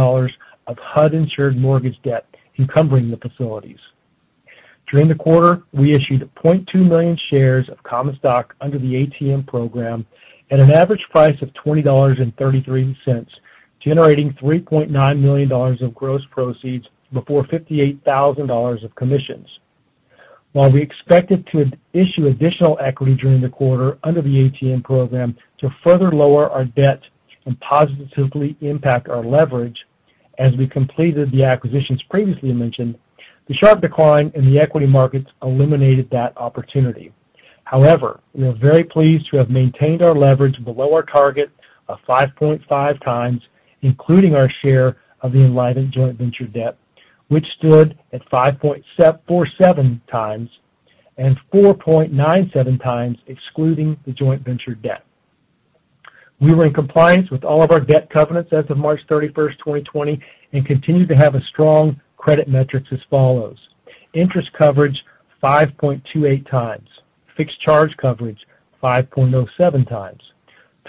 of HUD-insured mortgage debt encumbering the facilities. During the quarter, we issued 0.2 million shares of common stock under the ATM program at an average price of $20.33, generating $3.9 million of gross proceeds before $58,000 of commissions. While we expected to issue additional equity during the quarter under the ATM program to further lower our debt and positively impact our leverage as we completed the acquisitions previously mentioned, the sharp decline in the equity markets eliminated that opportunity. We are very pleased to have maintained our leverage below our target of 5.5x, including our share of the Enlivant joint venture debt, which stood at 5.47x, and 4.97x excluding the joint venture debt. We were in compliance with all of our debt covenants as of March 31, 2020, and continue to have strong credit metrics as follows: interest coverage 5.28x, fixed charge coverage 5.07x,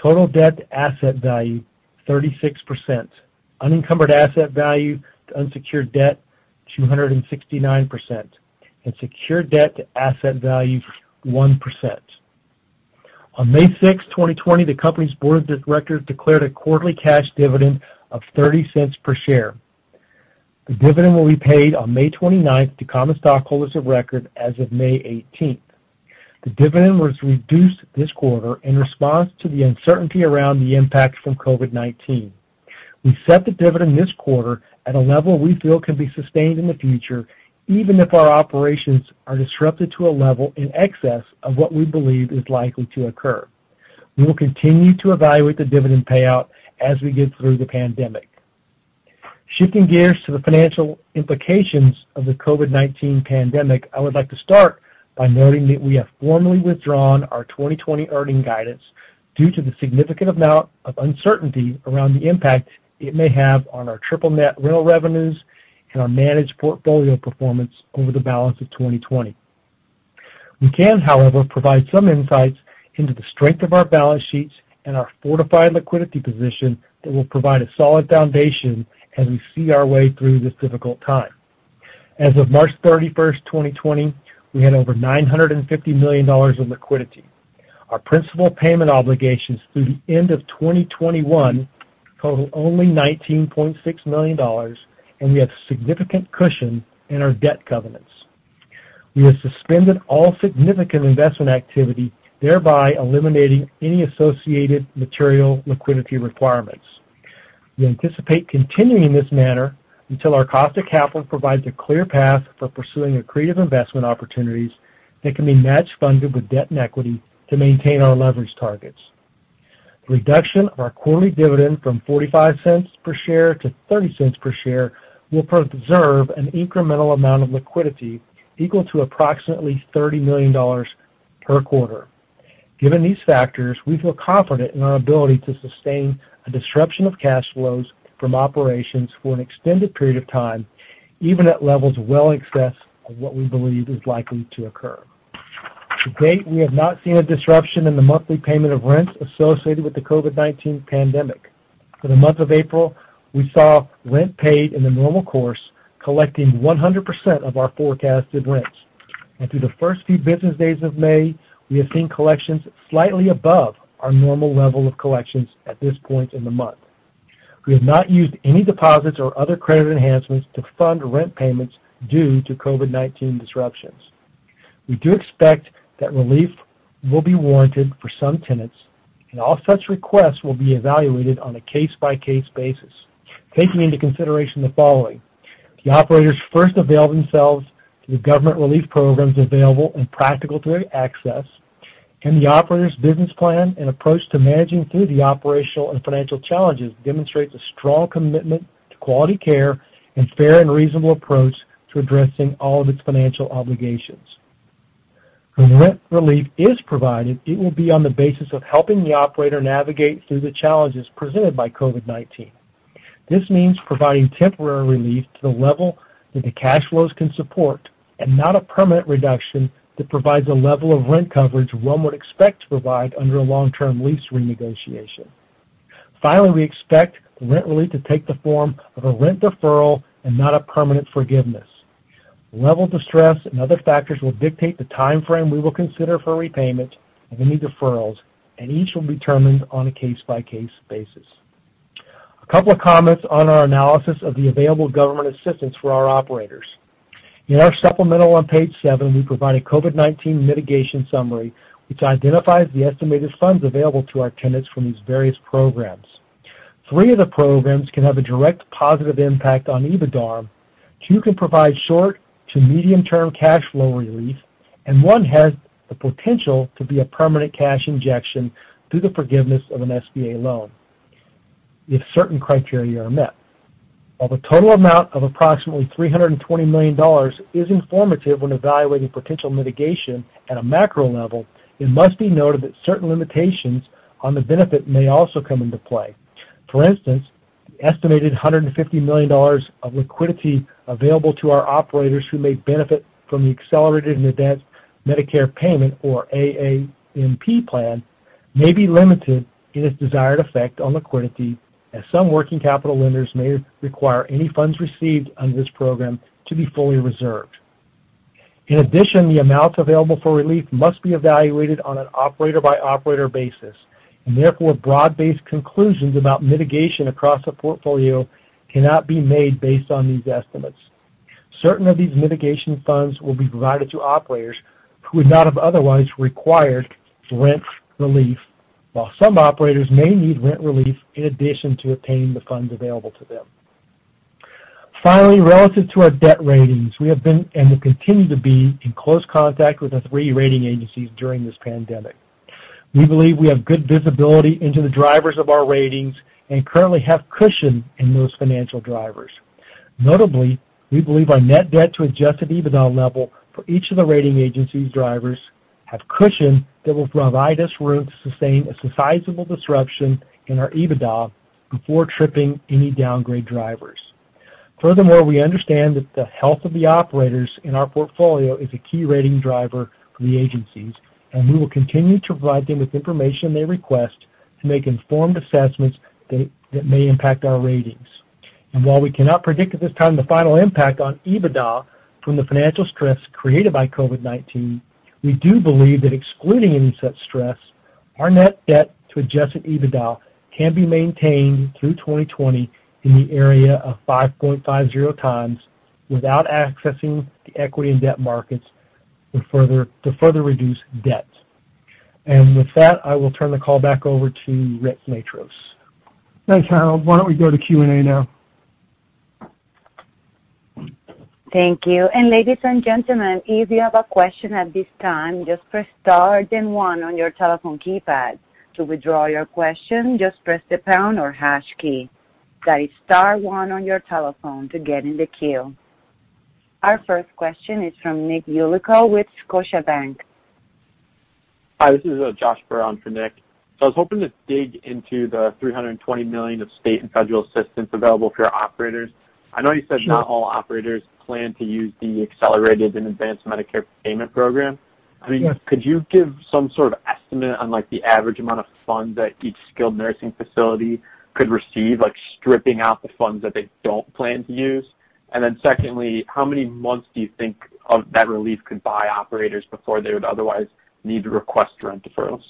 total debt asset value 36%, unencumbered asset value to unsecured debt 269%, and secured debt to asset value 1%. On May 6th, 2020, the company's Board of Directors declared a quarterly cash dividend of $0.30 per share. The dividend will be paid on May 29th to common stockholders of record as of May 18th. The dividend was reduced this quarter in response to the uncertainty around the impact from COVID-19. We set the dividend this quarter at a level we feel can be sustained in the future, even if our operations are disrupted to a level in excess of what we believe is likely to occur. We will continue to evaluate the dividend payout as we get through the pandemic. Shifting gears to the financial implications of the COVID-19 pandemic, I would like to start by noting that we have formally withdrawn our 2020 earning guidance due to the significant amount of uncertainty around the impact it may have on our triple net real revenues and our managed portfolio performance over the balance of 2020. We can, however, provide some insights into the strength of our balance sheets and our fortified liquidity position that will provide a solid foundation as we see our way through this difficult time. As of March 31st, 2020, we had over $950 million in liquidity. Our principal payment obligations through the end of 2021 total only $19.6 million, and we have significant cushion in our debt covenants. We have suspended all significant investment activity, thereby eliminating any associated material liquidity requirements. We anticipate continuing in this manner until our cost of capital provides a clear path for pursuing accretive investment opportunities that can be match funded with debt and equity to maintain our leverage targets. The reduction of our quarterly dividend from $0.45 per share to $0.30 per share will preserve an incremental amount of liquidity equal to approximately $30 million per quarter. Given these factors, we feel confident in our ability to sustain a disruption of cash flows from operations for an extended period of time, even at levels well in excess of what we believe is likely to occur. To date, we have not seen a disruption in the monthly payment of rents associated with the COVID-19 pandemic. For the month of April, we saw rent paid in the normal course, collecting 100% of our forecasted rents. Through the first few business days of May, we have seen collections slightly above our normal level of collections at this point in the month. We have not used any deposits or other credit enhancements to fund rent payments due to COVID-19 disruptions. We do expect that relief will be warranted for some tenants, and all such requests will be evaluated on a case-by-case basis, taking into consideration the following. The operators first avail themselves to the government relief programs available and practical to access. The operator's business plan and approach to managing through the operational and financial challenges demonstrates a strong commitment to quality care and fair and reasonable approach to addressing all of its financial obligations. When rent relief is provided, it will be on the basis of helping the operator navigate through the challenges presented by COVID-19. This means providing temporary relief to the level that the cash flows can support and not a permanent reduction that provides a level of rent coverage one would expect to provide under a long-term lease renegotiation. Finally, we expect rent relief to take the form of a rent deferral and not a permanent forgiveness. Level of distress and other factors will dictate the timeframe we will consider for repayment of any deferrals, and each will be determined on a case-by-case basis. A couple of comments on our analysis of the available government assistance for our operators. In our supplemental on page seven, we provide a COVID-19 mitigation summary, which identifies the estimated funds available to our tenants from these various programs. Three of the programs can have a direct positive impact on EBITDA. Two can provide short to medium-term cash flow relief, and one has the potential to be a permanent cash injection through the forgiveness of an SBA loan, if certain criteria are met. While the total amount of approximately $320 million is informative when evaluating potential mitigation at a macro level, it must be noted that certain limitations on the benefit may also come into play. For instance, the estimated $150 million of liquidity available to our operators who may benefit from the Accelerated and Advance Payment Program or APP plan may be limited in its desired effect on liquidity, as some working capital lenders may require any funds received under this program to be fully reserved. In addition, the amounts available for relief must be evaluated on an operator-by-operator basis, and therefore, broad-based conclusions about mitigation across a portfolio cannot be made based on these estimates. Certain of these mitigation funds will be provided to operators who would not have otherwise required rent relief, while some operators may need rent relief in addition to obtaining the funds available to them. Finally, relative to our debt ratings, we have been and will continue to be in close contact with the three rating agencies during this pandemic. We believe we have good visibility into the drivers of our ratings and currently have cushion in those financial drivers. Notably, we believe our net debt to adjusted EBITDA level for each of the rating agencies' drivers have cushion that will provide us room to sustain a sizable disruption in our EBITDA before tripping any downgrade drivers. Furthermore, we understand that the health of the operators in our portfolio is a key rating driver for the agencies, and we will continue to provide them with information they request to make informed assessments that may impact our ratings. While we cannot predict at this time the final impact on EBITDA from the financial stress created by COVID-19, we do believe that excluding any such stress, our net debt to adjusted EBITDA can be maintained through 2020 in the area of 5.50 times, without accessing the equity and debt markets to further reduce debt. With that, I will turn the call back over to Rick Matros. Thanks, Talya. Why don't we go to Q&A now? Thank you. Ladies and gentlemen, if you have a question at this time, just press star then one on your telephone keypad. To withdraw your question, just press the pound or hash key. That is star one on your telephone to get in the queue. Our first question is from Nick Yulico with Scotiabank. Hi, this is Josh Brown for Nick. I was hoping to dig into the $320 million of state and federal assistance available for your operators. I know you said. Sure ...not all operators plan to use the Accelerated and Advanced Medicare Payment program. Yes. Could you give some sort of estimate on the average amount of funds that each skilled nursing facility could receive, like stripping out the funds that they don't plan to use? Secondly, how many months do you think of that relief could buy operators before they would otherwise need to request rent deferrals?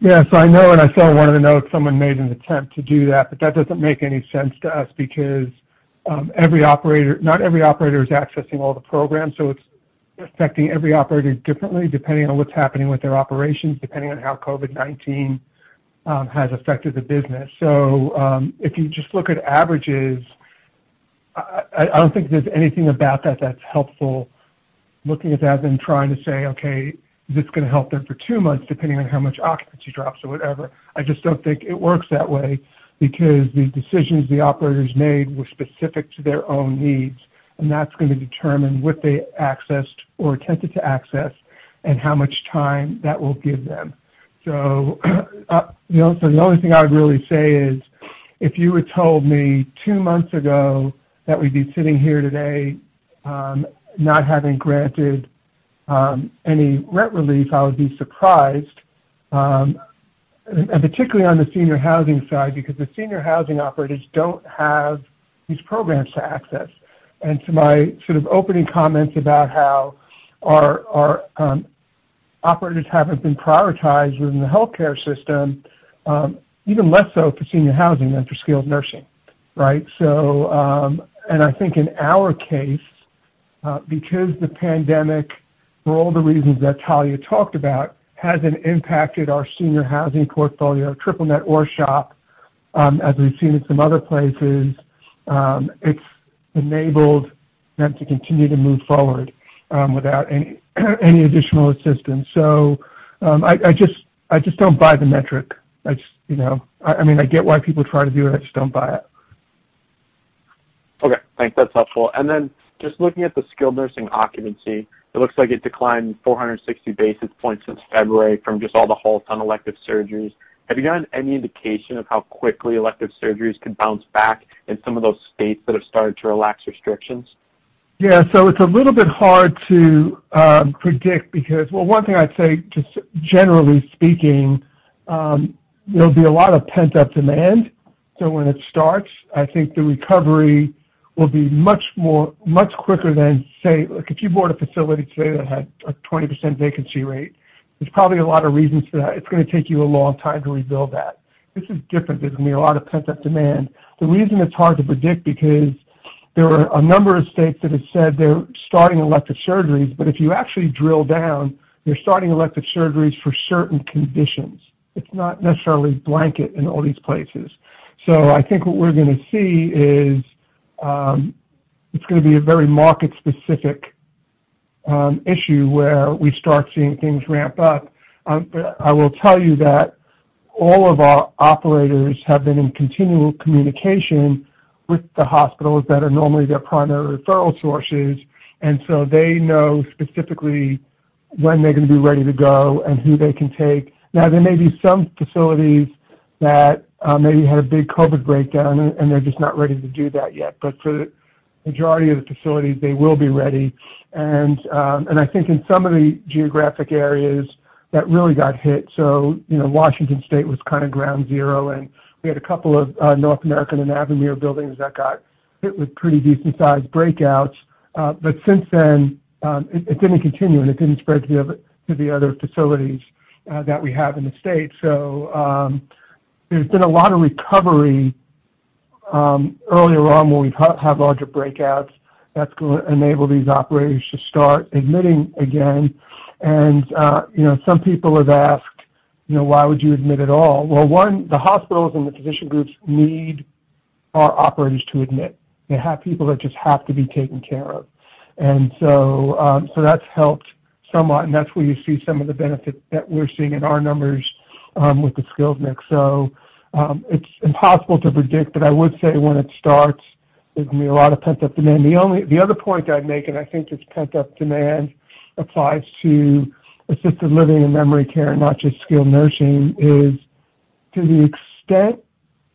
Yes. I know, I saw in one of the notes someone made an attempt to do that doesn't make any sense to us because not every operator is accessing all the programs, it's affecting every operator differently depending on what's happening with their operations, depending on how COVID-19 has affected the business. If you just look at averages, I don't think there's anything about that that's helpful looking at that then trying to say, "Okay, is this going to help them for two months depending on how much occupancy drops?" Or whatever. I just don't think it works that way because the decisions the operators made were specific to their own needs, that's going to determine what they accessed or attempted to access and how much time that will give them. The only thing I would really say is if you had told me two months ago that we'd be sitting here today not having granted any rent relief, I would be surprised, and particularly on the senior housing side, because the senior housing operators don't have these programs to access. To my sort of opening comments about how our operators haven't been prioritized within the healthcare system, even less so for senior housing than for skilled nursing. Right? I think in our case, because the pandemic, for all the reasons that Talya talked about, hasn't impacted our senior housing portfolio, triple net, or SHOP, as we've seen in some other places, it's enabled them to continue to move forward without any additional assistance. I just don't buy the metric. I get why people try to do it, I just don't buy it. Okay, thanks. That's helpful. Just looking at the skilled nursing occupancy, it looks like it declined 460 basis points since February from just all the halts on elective surgeries. Have you gotten any indication of how quickly elective surgeries could bounce back in some of those states that have started to relax restrictions? Yeah. It's a little bit hard to predict because, well, one thing I'd say, just generally speaking, there'll be a lot of pent-up demand. When it starts, I think the recovery will be much quicker than, say, like if you bought a facility today that had a 20% vacancy rate, there's probably a lot of reasons for that. It's going to take you a long time to rebuild that. This is different. There's going to be a lot of pent-up demand. The reason it's hard to predict, because there are a number of states that have said they're starting elective surgeries, but if you actually drill down, they're starting elective surgeries for certain conditions. It's not necessarily blanket in all these places. I think what we're going to see is, it's going to be a very market-specific issue where we start seeing things ramp up. I will tell you that all of our operators have been in continual communication with the hospitals that are normally their primary referral sources, and so they know specifically when they're going to be ready to go and who they can take. Now, there may be some facilities that maybe had a big COVID breakdown and they're just not ready to do that yet. For the majority of the facilities, they will be ready. I think in some of the geographic areas that really got hit, so Washington State was ground zero, and we had a couple of North American and Avamere buildings that got hit with pretty decent-sized breakouts. Since then, it didn't continue, and it didn't spread to the other facilities that we have in the state. There's been a lot of recovery, earlier on where we've had larger breakouts, that's going to enable these operators to start admitting again. Some people have asked, "Why would you admit at all?" Well, one, the hospitals and the physician groups need our operators to admit. They have people that just have to be taken care of. That's helped somewhat, and that's where you see some of the benefit that we're seeing in our numbers, with the skilled mix. It's impossible to predict, but I would say when it starts, there's going to be a lot of pent-up demand. The other point I'd make, I think this pent-up demand applies to assisted living and memory care, not just skilled nursing, is to the extent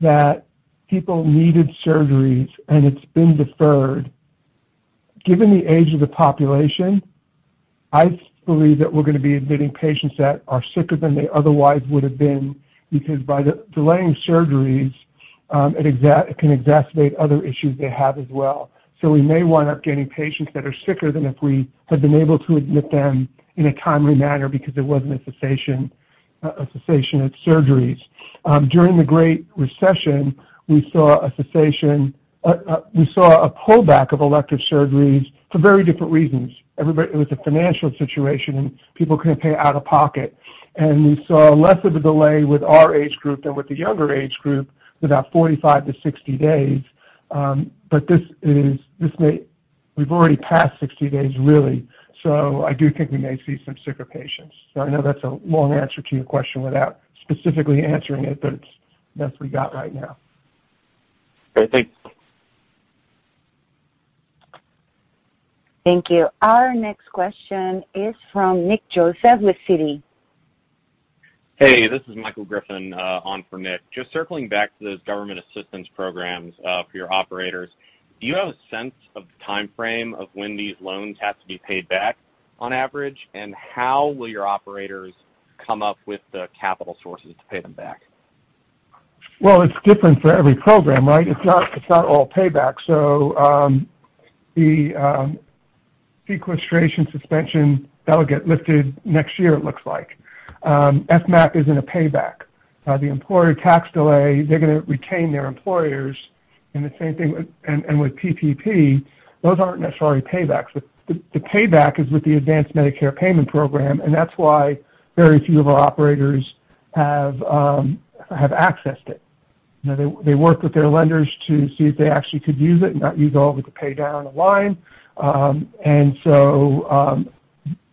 that people needed surgeries and it's been deferred, given the age of the population, I believe that we're going to be admitting patients that are sicker than they otherwise would have been, because by delaying surgeries, it can exacerbate other issues they have as well. We may wind up getting patients that are sicker than if we had been able to admit them in a timely manner because there wasn't a cessation of surgeries. During the Great Recession, we saw a pullback of elective surgeries for very different reasons. It was a financial situation and people couldn't pay out of pocket. We saw less of a delay with our age group than with the younger age group, about 45-60 days. We've already passed 60 days, really. I do think we may see some sicker patients. I know that's a long answer to your question without specifically answering it, but it's the best we got right now. Great. Thanks. Thank you. Our next question is from Nick Joseph with Citi. Hey, this is Michael Griffin, on for Nick. Just circling back to those government assistance programs, for your operators, do you have a sense of the timeframe of when these loans have to be paid back on average, and how will your operators come up with the capital sources to pay them back? Well, it's different for every program, right? It's not all payback. The sequestration suspension, that'll get lifted next year, it looks like. FMAP is in a payback. The employer tax delay, they're going to retain their employers, and with PPP, those aren't necessarily paybacks. The payback is with the Advanced Medicare Payment program, and that's why very few of our operators have accessed it. They work with their lenders to see if they actually could use it and not use all of it to pay down the line.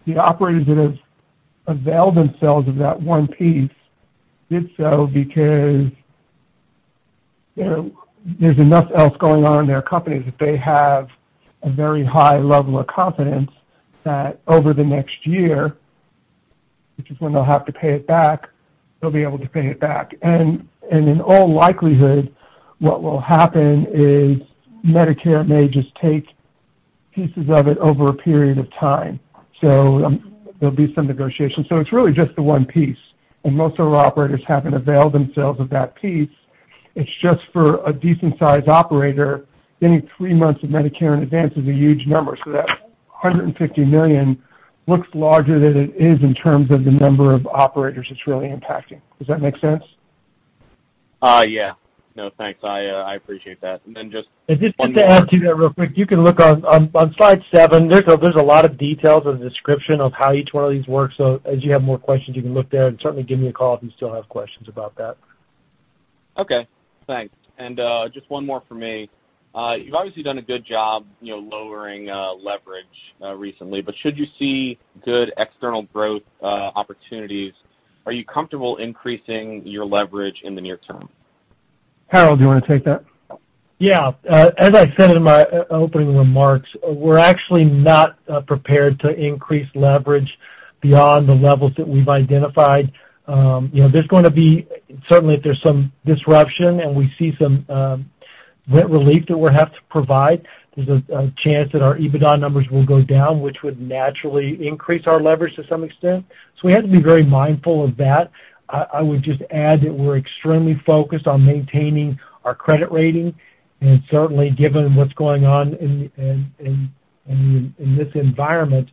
The operators that have availed themselves of that one piece did so because there's enough else going on in their companies that they have a very high level of confidence that over the next year, which is when they'll have to pay it back, they'll be able to pay it back. In all likelihood, what will happen is Medicare may just take pieces of it over a period of time. There'll be some negotiation. It's really just the one piece, and most of our operators haven't availed themselves of that piece. It's just for a decent-sized operator, getting three months of Medicare in advance is a huge number. That $150 million looks larger than it is in terms of the number of operators it's really impacting. Does that make sense? Yeah. No, thanks. I appreciate that. Just one more. Just to add to that real quick, you can look on slide seven, there's a lot of details and description of how each one of these works. As you have more questions, you can look there and certainly give me a call if you still have questions about that. Okay, thanks. Just one more from me. You've obviously done a good job lowering leverage recently, but should you see good external growth opportunities, are you comfortable increasing your leverage in the near term? Harold, do you want to take that? Yeah. As I said in my opening remarks, we're actually not prepared to increase leverage beyond the levels that we've identified. Certainly, if there's some disruption and we see some rent relief that we'll have to provide, there's a chance that our EBITDA numbers will go down, which would naturally increase our leverage to some extent. We have to be very mindful of that. I would just add that we're extremely focused on maintaining our credit rating, and certainly, given what's going on in this environment,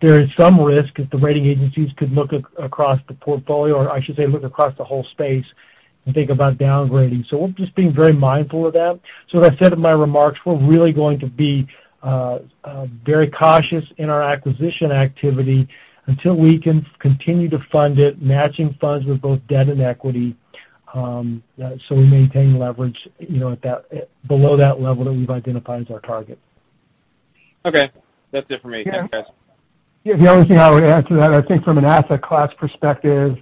there is some risk that the rating agencies could look across the portfolio, or I should say, look across the whole space and think about downgrading. We're just being very mindful of that. As I said in my remarks, we're really going to be very cautious in our acquisition activity until we can continue to fund it, matching funds with both debt and equity, so we maintain leverage below that level that we've identified as our target. Okay. That's it for me. Thanks, guys. Yeah. The only thing I would add to that, I think from an asset class perspective,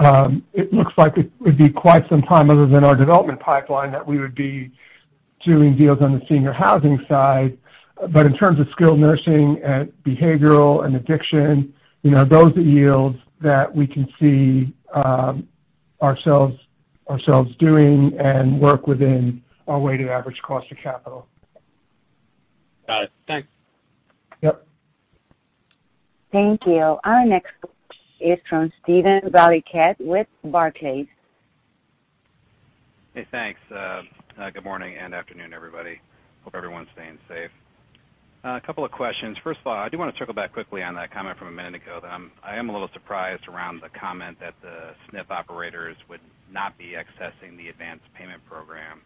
it looks like it would be quite some time, other than our development pipeline, that we would be doing deals on the senior housing side. In terms of skilled nursing and behavioral and addiction, those yields that we can see ourselves doing and work within our weighted average cost of capital. Got it. Thanks. Yep. Thank you. Our next is from Steven Valiquette with Barclays. Hey, thanks. Good morning and afternoon, everybody. Hope everyone's staying safe. A couple of questions. First of all, I do want to circle back quickly on that comment from a minute ago, that I am a little surprised around the comment that the SNF operators would not be accessing the Advanced Payment Program.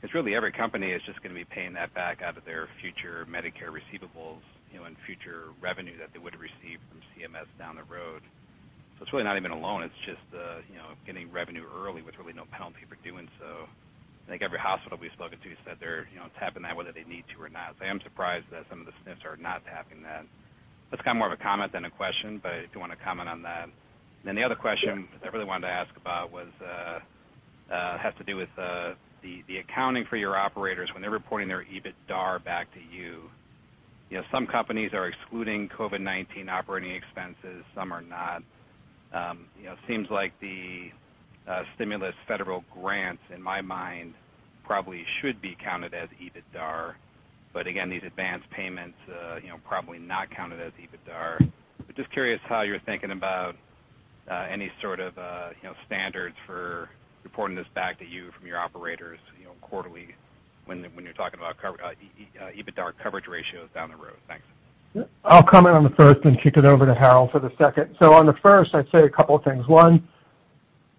Because really every company is just going to be paying that back out of their future Medicare receivables and future revenue that they would receive from CMS down the road. It's really not even a loan, it's just getting revenue early with really no penalty for doing so. I think every hospital we've spoken to said they're tapping that whether they need to or not. I am surprised that some of the SNFs are not tapping that. That's kind of more of a comment than a question, if you want to comment on that. The other question that I really wanted to ask about has to do with the accounting for your operators when they're reporting their EBITDAR back to you. Some companies are excluding COVID-19 operating expenses, some are not. Seems like the stimulus federal grants, in my mind, probably should be counted as EBITDAR, but again, these advanced payments probably not counted as EBITDAR. Just curious how you're thinking about any sort of standards for reporting this back to you from your operators quarterly when you're talking about EBITDAR coverage ratios down the road. Thanks. I'll comment on the first, then kick it over to Harold for the second. On the first, I'd say a couple of things.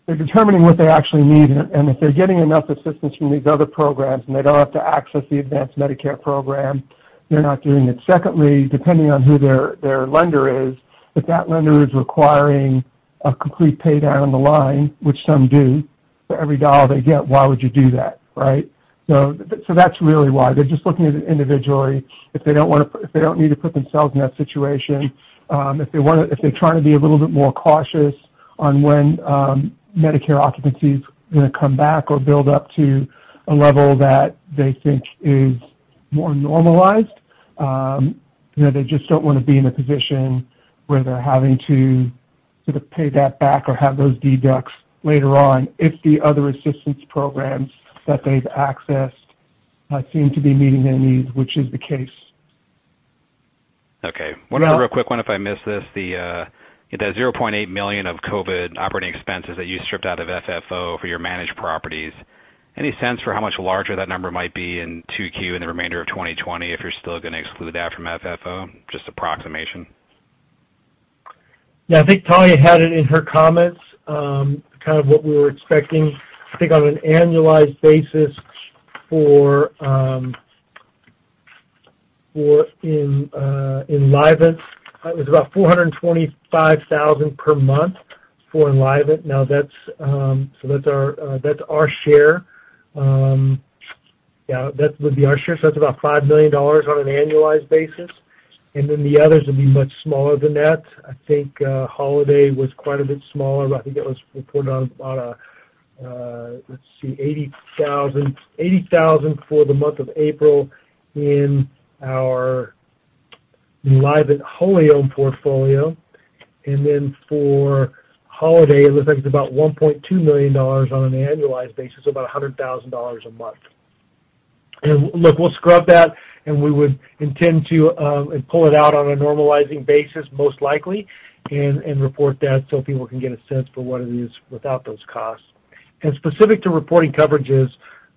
One, they're determining what they actually need, and if they're getting enough assistance from these other programs, and they don't have to access the advanced Medicare program, they're not doing it. Secondly, depending on who their lender is, if that lender is requiring a complete pay down on the line, which some do, for every $1 they get, why would you do that, right? That's really why. They're just looking at it individually. If they don't need to put themselves in that situation, if they're trying to be a little bit more cautious on when Medicare occupancy is going to come back or build up to a level that they think is more normalized. They just don't want to be in a position where they're having to sort of pay that back or have those deducts later on if the other assistance programs that they've accessed seem to be meeting their needs, which is the case. Okay. One other real quick one, if I missed this. The $0.8 million of COVID operating expenses that you stripped out of FFO for your managed properties. Any sense for how much larger that number might be in 2Q and the remainder of 2020, if you're still going to exclude that from FFO? Just approximation. Yeah. I think Talya had it in her comments, kind of what we were expecting. I think on an annualized basis for in Enlivant, it was about $425,000 per month for Enlivant. That's our share. Yeah, that would be our share. That's about $5 million on an annualized basis. Then the others would be much smaller than that. I think Holiday was quite a bit smaller. I think it was reported on, let's see, $80,000 for the month of April in our Enlivant wholly owned portfolio. Then for Holiday, it looks like it's about $1.2 million on an annualized basis, so about $100,000 a month. Look, we'll scrub that, and we would intend to pull it out on a normalizing basis, most likely, and report that so people can get a sense for what it is without those costs. Specific to reporting coverages,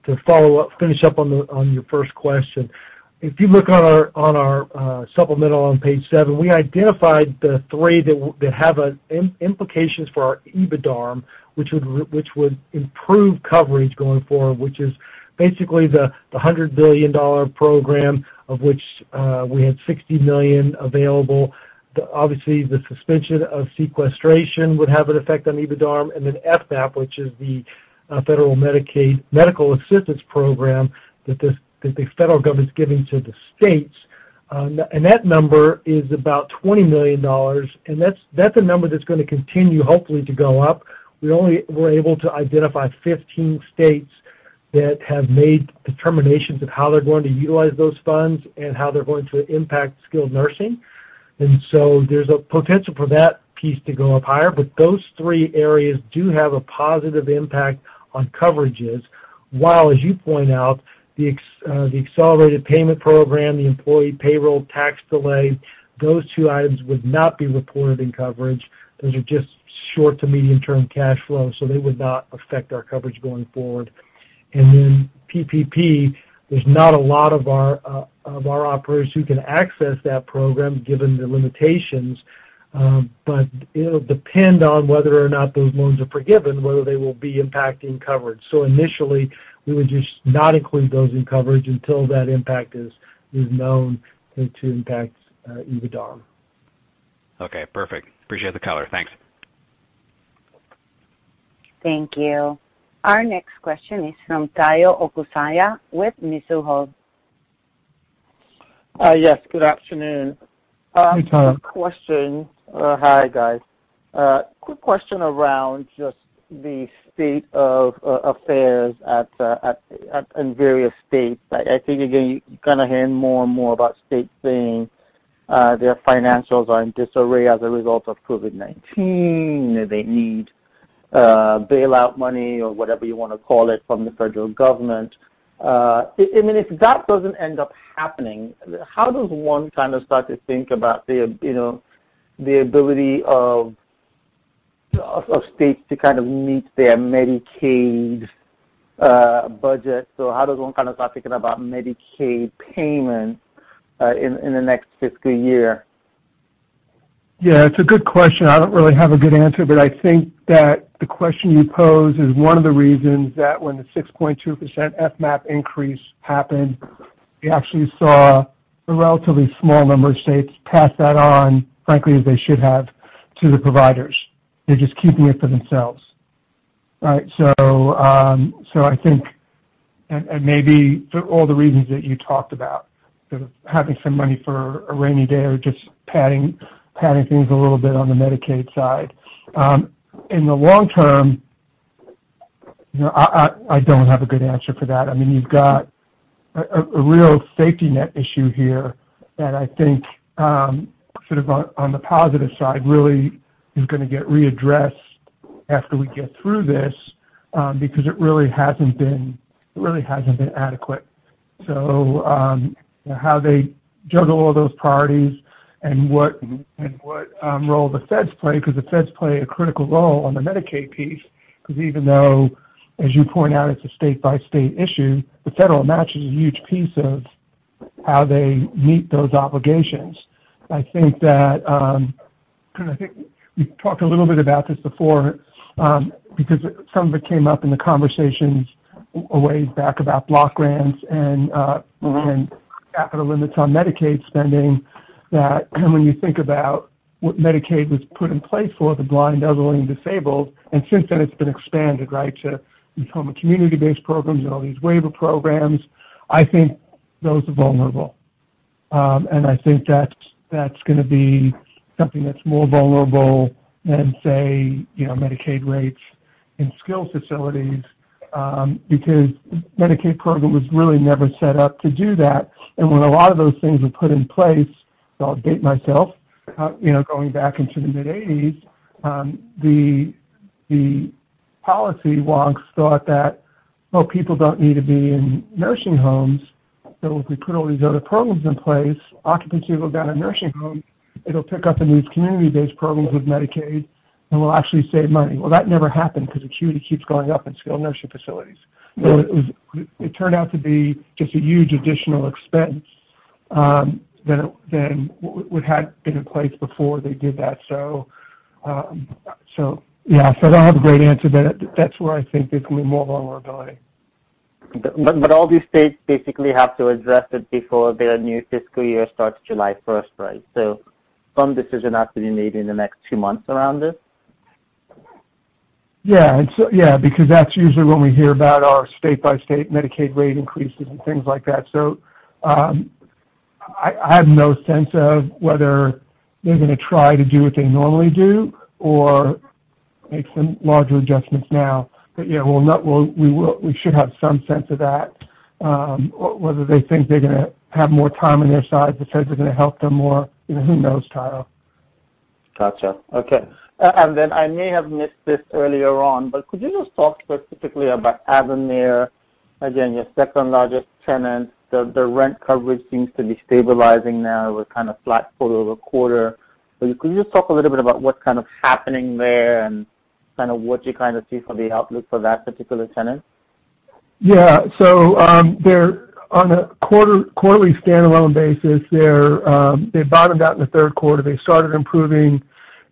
to finish up on your first question, if you look on our supplemental on page seven, we identified the three that have implications for our EBITDAR, which would improve coverage going forward, which is basically the $100 million program of which we had $60 million available. Obviously, the suspension of sequestration would have an effect on EBITDAR, then FMAP, which is the Federal Medical Assistance Percentage that the federal government's giving to the states. That number is about $20 million, and that's a number that's going to continue, hopefully, to go up. We only were able to identify 15 states that have made determinations of how they're going to utilize those funds and how they're going to impact skilled nursing. So there's a potential for that piece to go up higher. Those three areas do have a positive impact on coverages, while, as you point out, the Accelerated and Advance Payment Program, the employee payroll tax delay, those two items would not be reported in coverage. Those are just short to medium-term cash flow, so they would not affect our coverage going forward. PPP, there's not a lot of our operators who can access that program, given the limitations. It'll depend on whether or not those loans are forgiven, whether they will be impacting coverage. Initially, we would just not include those in coverage until that impact is known to impact EBITDAR. Okay, perfect. Appreciate the color. Thanks. Thank you. Our next question is from Tayo Okusanya with Mizuho. Yes, good afternoon. Hey, Tayo. Hi, guys. A quick question around just the state of affairs in various states. I think, again, you're hearing more and more about states saying their financials are in disarray as a result of COVID-19, they need bailout money or whatever you want to call it from the federal government. If that doesn't end up happening, how does one start to think about the ability of states to meet their Medicaid budget? How does one start thinking about Medicaid payments in the next fiscal year? Yeah, it's a good question. I don't really have a good answer. I think that the question you pose is one of the reasons that when the 6.2% FMAP increase happened, we actually saw a relatively small number of states pass that on, frankly, as they should have, to the providers. They're just keeping it for themselves. Right? I think, and maybe for all the reasons that you talked about, having some money for a rainy day or just padding things a little bit on the Medicaid side. In the long term, I don't have a good answer for that. You've got a real safety net issue here that I think, on the positive side, really is going to get readdressed after we get through this, because it really hasn't been adequate. How they juggle all those priorities and what role the feds play, because the feds play a critical role on the Medicaid piece, because even though, as you point out, it's a state-by-state issue, the federal match is a huge piece of how they meet those obligations. I think we've talked a little bit about this before, because some of it came up in the conversations a ways back about block grants and capital limits on Medicaid spending, that when you think about what Medicaid was put in place for, the blind, elderly, and disabled, and since then it's been expanded, right, to become community-based programs and all these waiver programs. I think those are vulnerable. I think that's going to be something that's more vulnerable than, say, Medicaid rates in skilled facilities, because the Medicaid program was really never set up to do that. When a lot of those things were put in place, so I'll date myself, going back into the mid-80s, the policy wonks thought that, well, people don't need to be in nursing homes, so if we put all these other programs in place, occupancy will go down in nursing homes, it'll pick up in these community-based programs with Medicaid, and we'll actually save money. That never happened because acuity keeps going up in skilled nursing facilities. It turned out to be just a huge additional expense than what had been in place before they did that. Yeah. I don't have a great answer, but that's where I think there's going to be more vulnerability. All these states basically have to address it before their new fiscal year starts July 1st, right? Some decision has to be made in the next two months around this? Because that's usually when we hear about our state-by-state Medicaid rate increases and things like that. I have no sense of whether they're going to try to do what they normally do or make some larger adjustments now. We should have some sense of that, whether they think they're going to have more time on their side, the feds are going to help them more. Who knows, Tayo? Got you. Okay. I may have missed this earlier on, but could you just talk specifically about Avamere, again, your second-largest tenant. The rent coverage seems to be stabilizing now with kind of flat quarter-over-quarter. Could you just talk a little bit about what's happening there and what you see for the outlook for that particular tenant? Yeah. On a quarterly standalone basis, they bottomed out in the third quarter. They started improving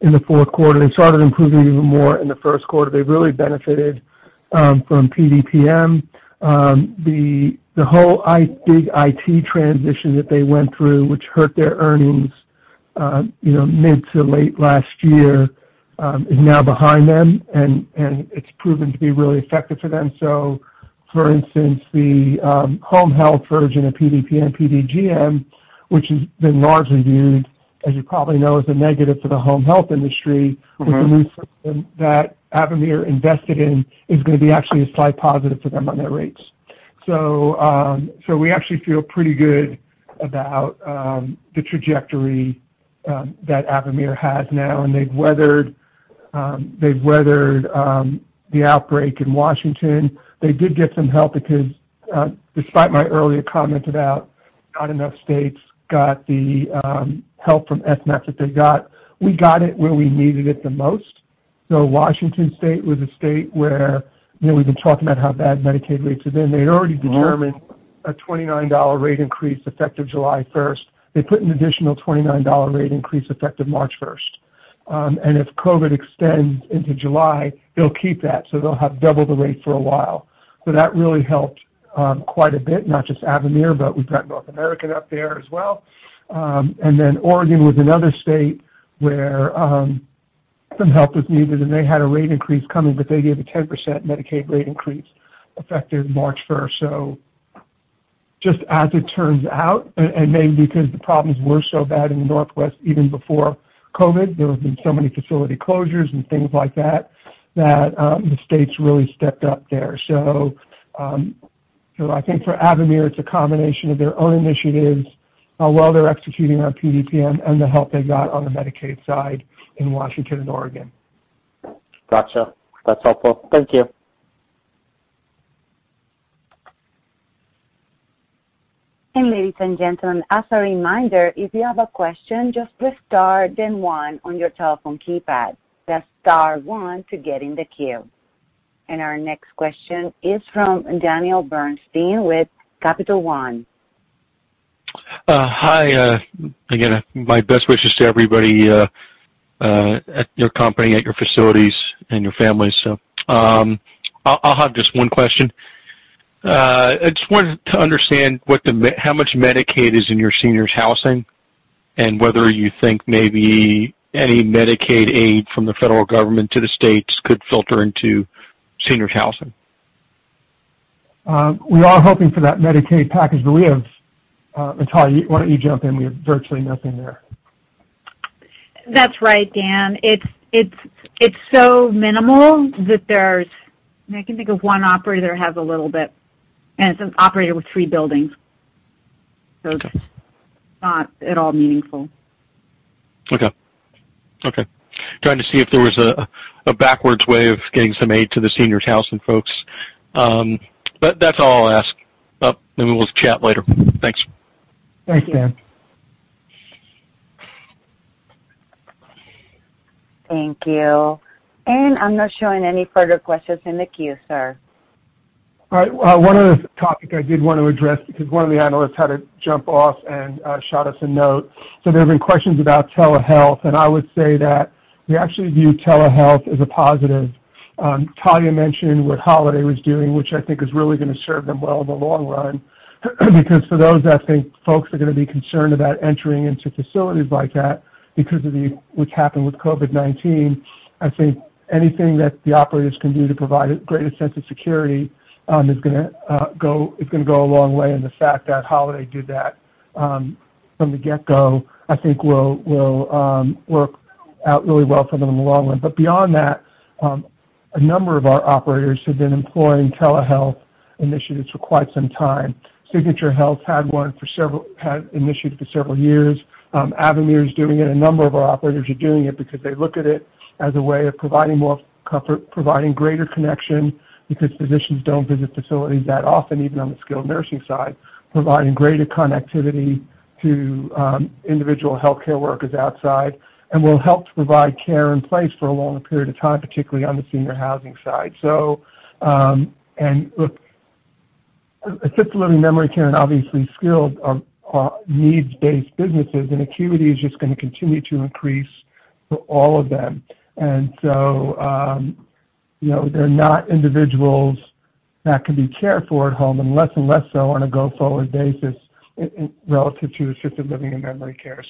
in the fourth quarter. They started improving even more in the first quarter. They really benefited from PDPM. The whole big IT transition that they went through, which hurt their earnings mid to late last year is now behind them, and it's proven to be really effective for them. For instance, the home health version of PDPM and PDGM, which has been largely viewed, as you probably know, as a negative for the home health industry. The new system that Avamere invested in, is going to be actually a slight positive for them on their rates. We actually feel pretty good about the trajectory that Avamere has now. They've weathered the outbreak in Washington. They did get some help because, despite my earlier comment about not enough states got the help from CMS that they got, we got it where we needed it the most. Washington State was a state where we've been talking about how bad Medicaid rates are there. They had already determined a $29 rate increase effective July 1st. They put an additional $29 rate increase effective March 1st. If COVID extends into July, they'll keep that, so they'll have double the rate for a while. That really helped quite a bit, not just Avamere, but we've got North American up there as well. Oregon was another state where some help was needed, and they had a rate increase coming, but they gave a 10% Medicaid rate increase effective March 1st. Just as it turns out, and maybe because the problems were so bad in the Northwest, even before COVID, there have been so many facility closures and things like that the states really stepped up there. I think for Avamere, it's a combination of their own initiatives, how well they're executing on PDPM and the help they got on the Medicaid side in Washington and Oregon. Got you. That's helpful. Thank you. Ladies and gentlemen, as a reminder, if you have a question, just press star then one on your telephone keypad. Press star one to get in the queue. Our next question is from Daniel Bernstein with Capital One. Hi. Again, my best wishes to everybody at your company, at your facilities, and your families. I'll have just one question. I just wanted to understand how much Medicaid is in your seniors housing, and whether you think maybe any Medicaid aid from the federal government to the states could filter into seniors housing. We are hoping for that Medicaid package, but we have, Talya, why don't you jump in? We have virtually nothing there. That's right, Dan. It's so minimal that I can think of one operator that has a little bit, and it's an operator with three buildings. Okay. It's not at all meaningful. Okay. Trying to see if there was a backwards way of getting some aid to the seniors housing folks. That's all I'll ask. We will chat later. Thanks. Thanks, Dan. Thank you. I'm not showing any further questions in the queue, sir. All right. One other topic I did want to address, because one of the analysts had to jump off and shot us a note. There's been questions about telehealth, and I would say that we actually view telehealth as a positive. Talya mentioned what Holiday was doing, which I think is really going to serve them well in the long run, because for those, I think folks are going to be concerned about entering into facilities like that because of what's happened with COVID-19. I think anything that the operators can do to provide a greater sense of security is going to go a long way, and the fact that Holiday did that from the get-go, I think will work out really well for them in the long run. Beyond that, a number of our operators have been employing telehealth initiatives for quite some time. Signature HealthCARE had initiatives for several years. Avamere is doing it. A number of our operators are doing it because they look at it as a way of providing more comfort, providing greater connection, because physicians don't visit facilities that often, even on the skilled nursing side, providing greater connectivity to individual healthcare workers outside, and will help to provide care in place for a longer period of time, particularly on the senior housing side. And look, assisted living memory care and obviously skilled are needs-based businesses, and acuity is just going to continue to increase for all of them. There are not individuals that can be cared for at home, and less and less so on a go-forward basis relative to assisted living and memory care.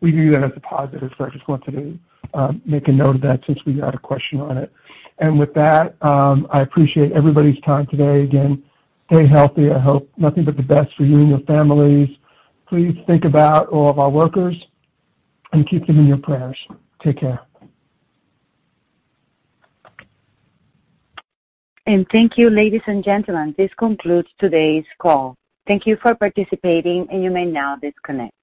We view that as a positive. I just wanted to make a note of that since we had a question on it. With that, I appreciate everybody's time today. Again, stay healthy. I hope nothing but the best for you and your families. Please think about all of our workers and keep them in your prayers. Take care. Thank you, ladies and gentlemen. This concludes today's call. Thank you for participating, and you may now disconnect.